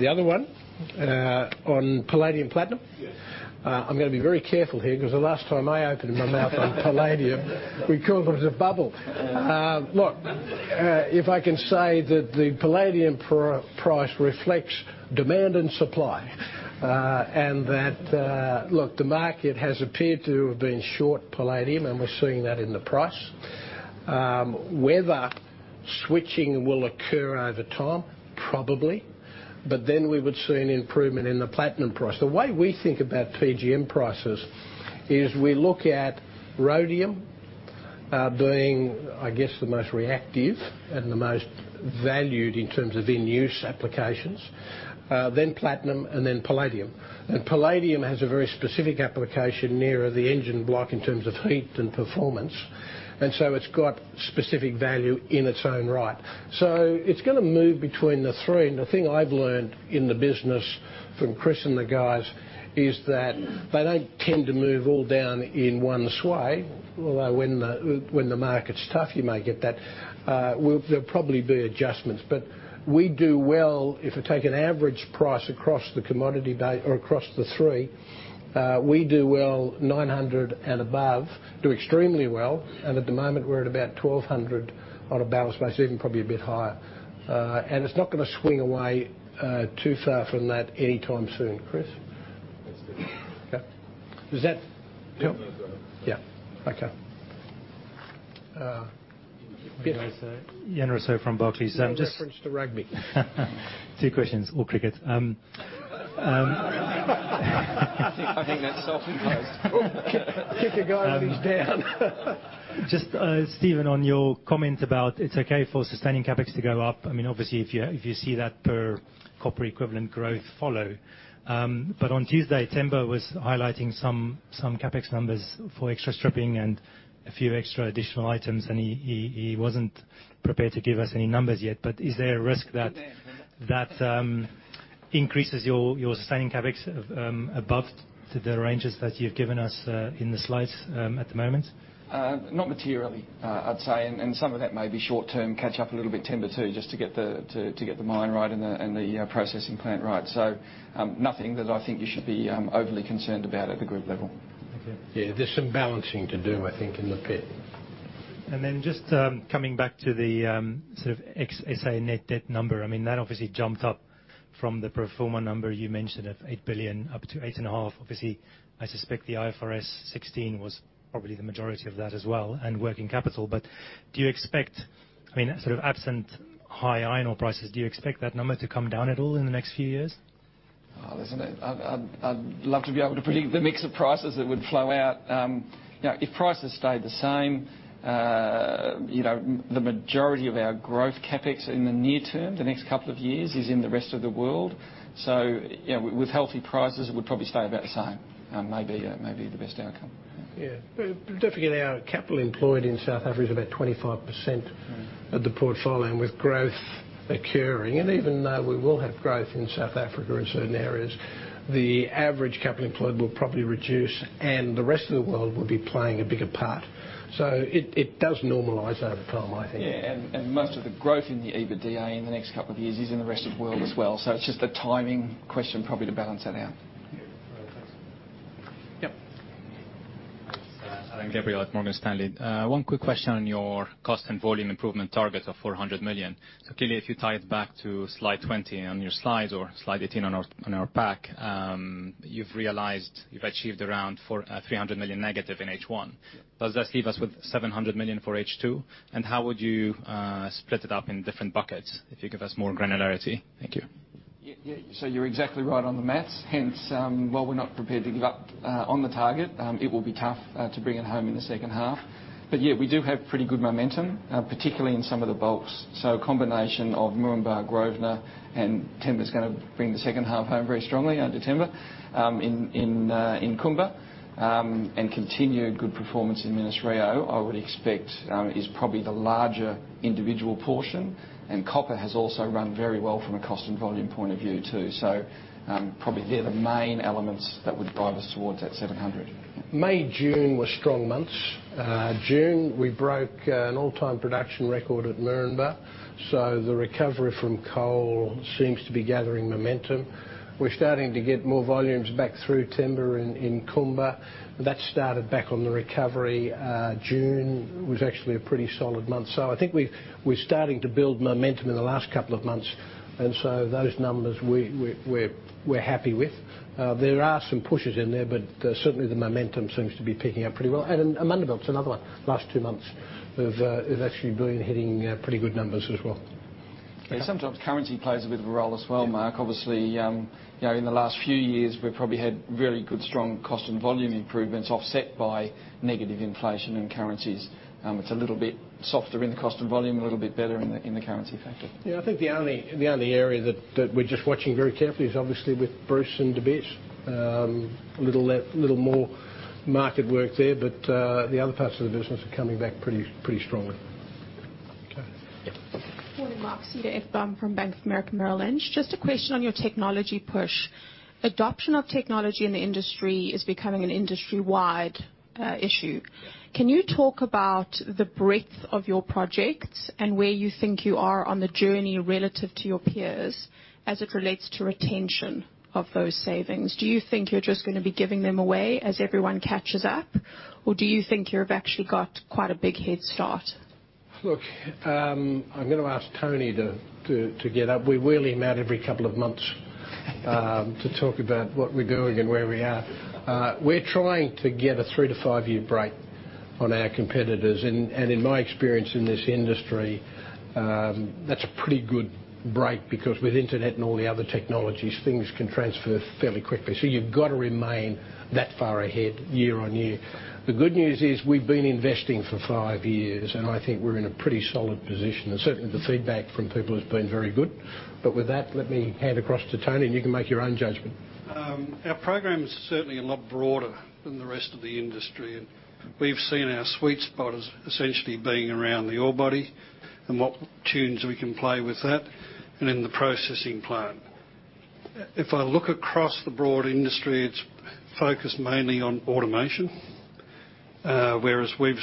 The other one on palladium platinum. Yes. I'm going to be very careful here because the last time I opened my mouth on palladium, we called it a bubble. If I can say that the palladium price reflects demand and supply. The market has appeared to have been short palladium, and we're seeing that in the price. Whether switching will occur over time, probably. We would see an improvement in the platinum price. The way we think about PGM prices is we look at rhodium being, I guess, the most reactive and the most valued in terms of end use applications. Platinum and then palladium. Palladium has a very specific application nearer the engine block in terms of heat and performance. It's got specific value in its own right. It's going to move between the three. The thing I've learned in the business from Chris and the guys is that they don't tend to move all down in one sway, although when the market's tough, you may get that. There'll probably be adjustments. We do well if we take an average price across the commodity or across the three. We do well $900 and above. Do extremely well. At the moment, we're at about $1,200 on a balance basis, even probably a bit higher. It's not going to swing away too far from that anytime soon. Chris? That's good. Okay. Is that? No, go ahead. Yeah. Okay. Yeah. Ian Rossouw from Barclays. No reference to rugby. Two questions. Cricket. I think that's often close. Kick a guy when he's down. Just, Stephen, on your comment about it's okay for sustaining CapEx to go up. Obviously, if you see that per copper equivalent growth follow. On Tuesday, Themba was highlighting some CapEx numbers for extra stripping and a few extra additional items, and he wasn't prepared to give us any numbers yet. Is there a risk that? He's there. That increases your sustaining CapEx above to the ranges that you've given us in the slides at the moment? Not materially, I'd say. Some of that may be short term catch up a little bit, Themba, too, just to get the mine right and the processing plant right. Nothing that I think you should be overly concerned about at the group level. Okay. Yeah. There's some balancing to do, I think, in the pit. Just coming back to the sort of ex-S.A. net debt number. That obviously jumped up from the pro forma number you mentioned of $8 billion up to eight and a half. Obviously, I suspect the IFRS 16 was probably the majority of that as well and working capital. Do you expect, sort of absent high iron ore prices, do you expect that number to come down at all in the next few years? Listen, I'd love to be able to predict the mix of prices that would flow out. If prices stayed the same, the majority of our growth CapEx in the near term, the next couple of years, is in the rest of the world. With healthy prices, it would probably stay about the same. Maybe the best outcome. Yeah. Don't forget our capital employed in South Africa is about 25% of the portfolio. With growth occurring, and even though we will have growth in South Africa in certain areas, the average capital employed will probably reduce, and the rest of the world will be playing a bigger part. It does normalize over time, I think. Yeah. Most of the growth in the EBITDA in the next couple of years is in the rest of the world as well. It's just a timing question probably to balance that out. Yep. Alain Gabriel at Morgan Stanley. One quick question on your cost and volume improvement target of $400 million. Clearly, if you tie it back to slide 20 on your slides or slide 18 on our pack, you've achieved around $300 million negative in H1. Does this leave us with $700 million for H2? And how would you split it up in different buckets if you give us more granularity? Thank you. Yeah. You're exactly right on the math. Hence, while we're not prepared to give up on the target, it will be tough to bring it home in the second half. Yeah, we do have pretty good momentum, particularly in some of the bulks. Combination of Moranbah, Grosvenor and Thabazimbi is going to bring the second half home very strongly under Thabazimbi in Kumba. Continued good performance in Minas-Rio, I would expect is probably the larger individual portion. Copper has also run very well from a cost and volume point of view too. Probably they're the main elements that would drive us towards that $700 million. May, June were strong months. June, we broke an all-time production record at Moranbah. The recovery from coal seems to be gathering momentum. We're starting to get more volumes back through Thabazimbi in Kumba. That started back on the recovery. June was actually a pretty solid month. I think we're starting to build momentum in the last couple of months. Those numbers we're happy with. There are some pushes in there, but certainly the momentum seems to be picking up pretty well. Amandelbult is another one. Last two months is actually hitting pretty good numbers as well. Yeah, sometimes currency plays a bit of a role as well, Mark. Obviously, in the last few years we've probably had really good, strong cost and volume improvements offset by negative inflation and currencies. It's a little bit softer in the cost and volume, a little bit better in the currency factor. Yeah, I think the only area that we're just watching very carefully is obviously with Bruce and De Beers. A little more market work there, but the other parts of the business are coming back pretty strongly. Okay. Yeah. Morning Mark, Zita F. Baum from Bank of America Merrill Lynch. Just a question on your technology push. Adoption of technology in the industry is becoming an industry-wide issue. Can you talk about the breadth of your projects and where you think you are on the journey relative to your peers as it relates to retention of those savings? Do you think you're just going to be giving them away as everyone catches up? Or do you think you've actually got quite a big head start? Look, I'm going to ask Tony to get up. We wheel him out every couple of months to talk about what we're doing and where we are. We're trying to get a three to five-year break on our competitors. In my experience in this industry, that's a pretty good break because with internet and all the other technologies, things can transfer fairly quickly. You've got to remain that far ahead year on year. The good news is we've been investing for five years and I think we're in a pretty solid position. Certainly the feedback from people has been very good. With that, let me hand across to Tony and you can make your own judgment. Our program is certainly a lot broader than the rest of the industry. We've seen our sweet spot as essentially being around the ore body and what tunes we can play with that and in the processing plant. If I look across the broad industry, it's focused mainly on automation. Whereas we've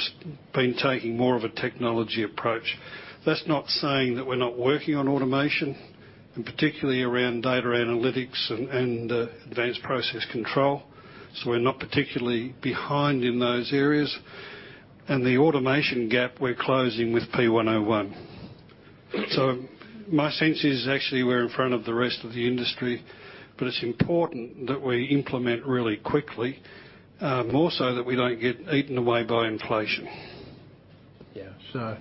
been taking more of a technology approach. That's not saying that we're not working on automation and particularly around data analytics and advanced process control. We're not particularly behind in those areas. The automation gap we're closing with P101. My sense is actually we're in front of the rest of the industry, but it's important that we implement really quickly, more so that we don't get eaten away by inflation. Yeah.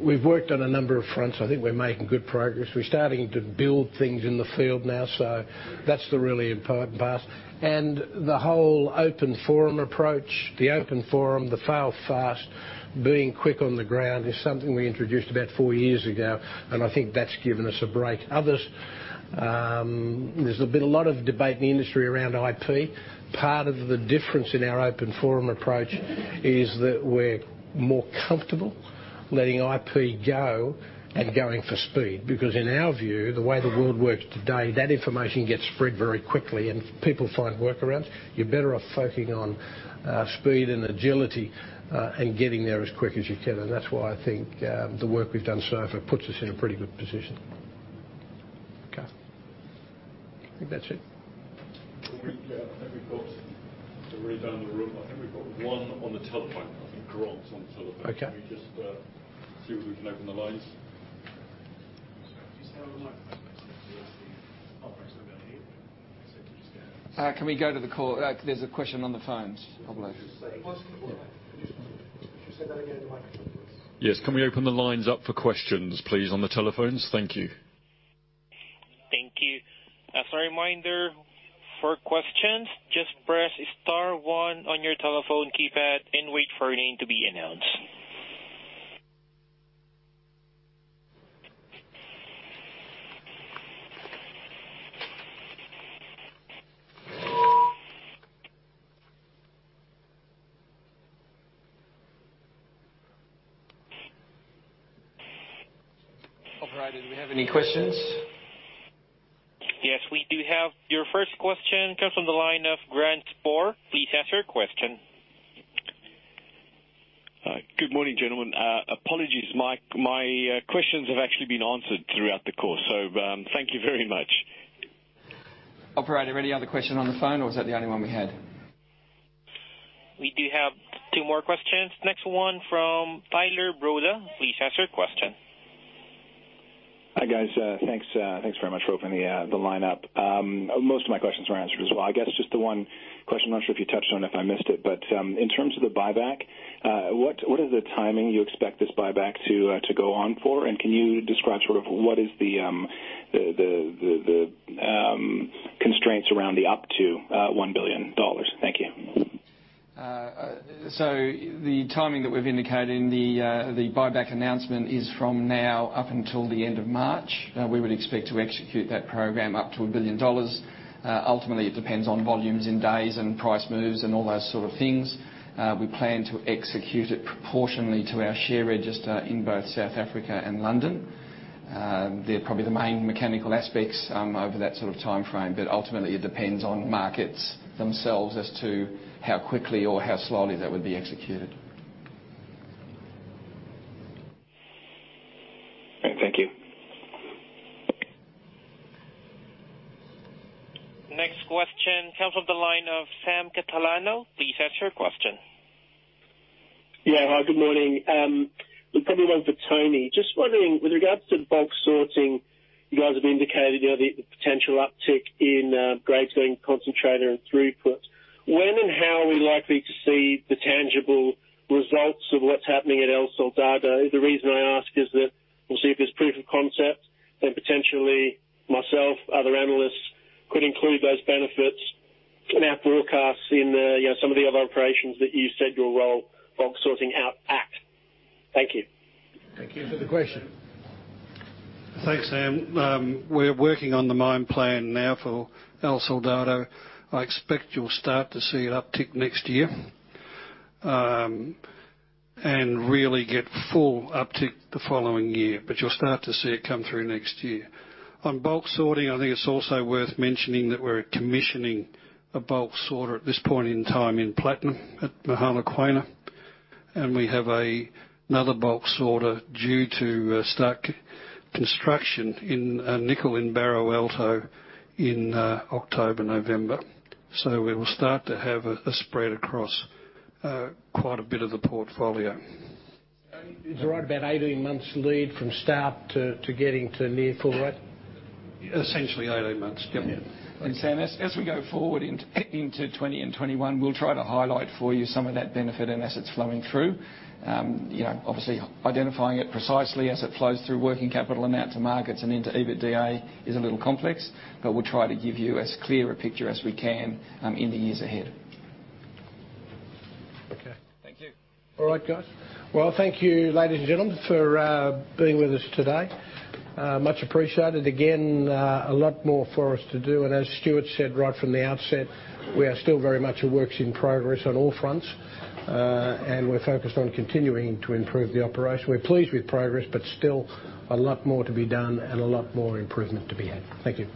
We've worked on a number of fronts. I think we're making good progress. We're starting to build things in the field now. That's the really important part. The whole open forum approach, the open forum, the fail fast, being quick on the ground is something we introduced about four years ago and I think that's given us a break. There's been a lot of debate in the industry around IP. Part of the difference in our open forum approach is that we're more comfortable letting IP go and going for speed. In our view, the way the world works today, that information gets spread very quickly and people find workarounds. You're better off focusing on speed and agility and getting there as quick as you can. That's why I think the work we've done so far puts us in a pretty good position. Okay. I think that's it. Yeah. To read down the room. I think we've got one on the telephone. I think Grant's on the telephone. Okay. Can we just see if we can open the lines? Just hand the microphone down here. Can we go to the call? There is a question on the phone. Could you say that again in the microphone, please? Yes, can we open the lines up for questions, please, on the telephones? Thank you. Thank you. As a reminder for questions, just press star one on your telephone keypad and wait for your name to be announced. Operator, do we have any questions? Yes, we do have. Your first question comes from the line of Grant Sporre. Please ask your question. Good morning, gentlemen. Apologies, my questions have actually been answered throughout the course. Thank you very much. Operator, any other question on the phone, or was that the only one we had? We do have two more questions. Next one from Tyler Broda. Please ask your question. Hi, guys. Thanks very much for opening the lineup. Most of my questions were answered as well. I guess just the one question, I'm not sure if you touched on it, if I missed it, but in terms of the buyback, what is the timing you expect this buyback to go on for? Can you describe sort of what is the constraints around the up to $1 billion? Thank you. The timing that we've indicated in the buyback announcement is from now up until the end of March. We would expect to execute that program up to $1 billion. Ultimately, it depends on volumes in days and price moves and all those sort of things. We plan to execute it proportionally to our share register in both South Africa and London. They're probably the main mechanical aspects over that sort of timeframe. Ultimately, it depends on markets themselves as to how quickly or how slowly that would be executed. Right. Thank you. Next question comes from the line of Sam Catalano. Please ask your question. Yeah. Hi, good morning. Probably one for Tony. Just wondering, with regards to bulk sorting, you guys have indicated the potential uptick in grade, tonnage, concentrator, and throughput. When and how are we likely to see the tangible results of what's happening at El Soldado? The reason I ask is that we'll see if there's proof of concept and potentially myself, other analysts, could include those benefits in our forecasts in some of the other operations that you said you'll roll bulk sorting out at. Thank you. Thank you for the question. Thanks, Sam. We're working on the mine plan now for El Soldado. I expect you'll start to see an uptick next year and really get full uptick the following year. You'll start to see it come through next year. On bulk sorting, I think it's also worth mentioning that we're commissioning a bulk sorter at this point in time in platinum at Mogalakwena, and we have another bulk sorter due to start construction in nickel in Barro Alto in October, November. We will start to have a spread across quite a bit of the portfolio. Tony, is the right about 18 months lead from start to getting to near full, right? Essentially 18 months. Yep. Yeah. Sam, as we go forward into 2020 and 2021, we'll try to highlight for you some of that benefit and as it's flowing through. Obviously, identifying it precisely as it flows through working capital amount to markets and into EBITDA is a little complex, we'll try to give you as clear a picture as we can in the years ahead. Okay. Thank you. All right, guys. Well, thank you, ladies and gentlemen, for being with us today. Much appreciated. Again, a lot more for us to do. As Stuart said right from the outset, we are still very much a work in progress on all fronts. We're focused on continuing to improve the operation. We're pleased with progress, still a lot more to be done and a lot more improvement to be had. Thank you.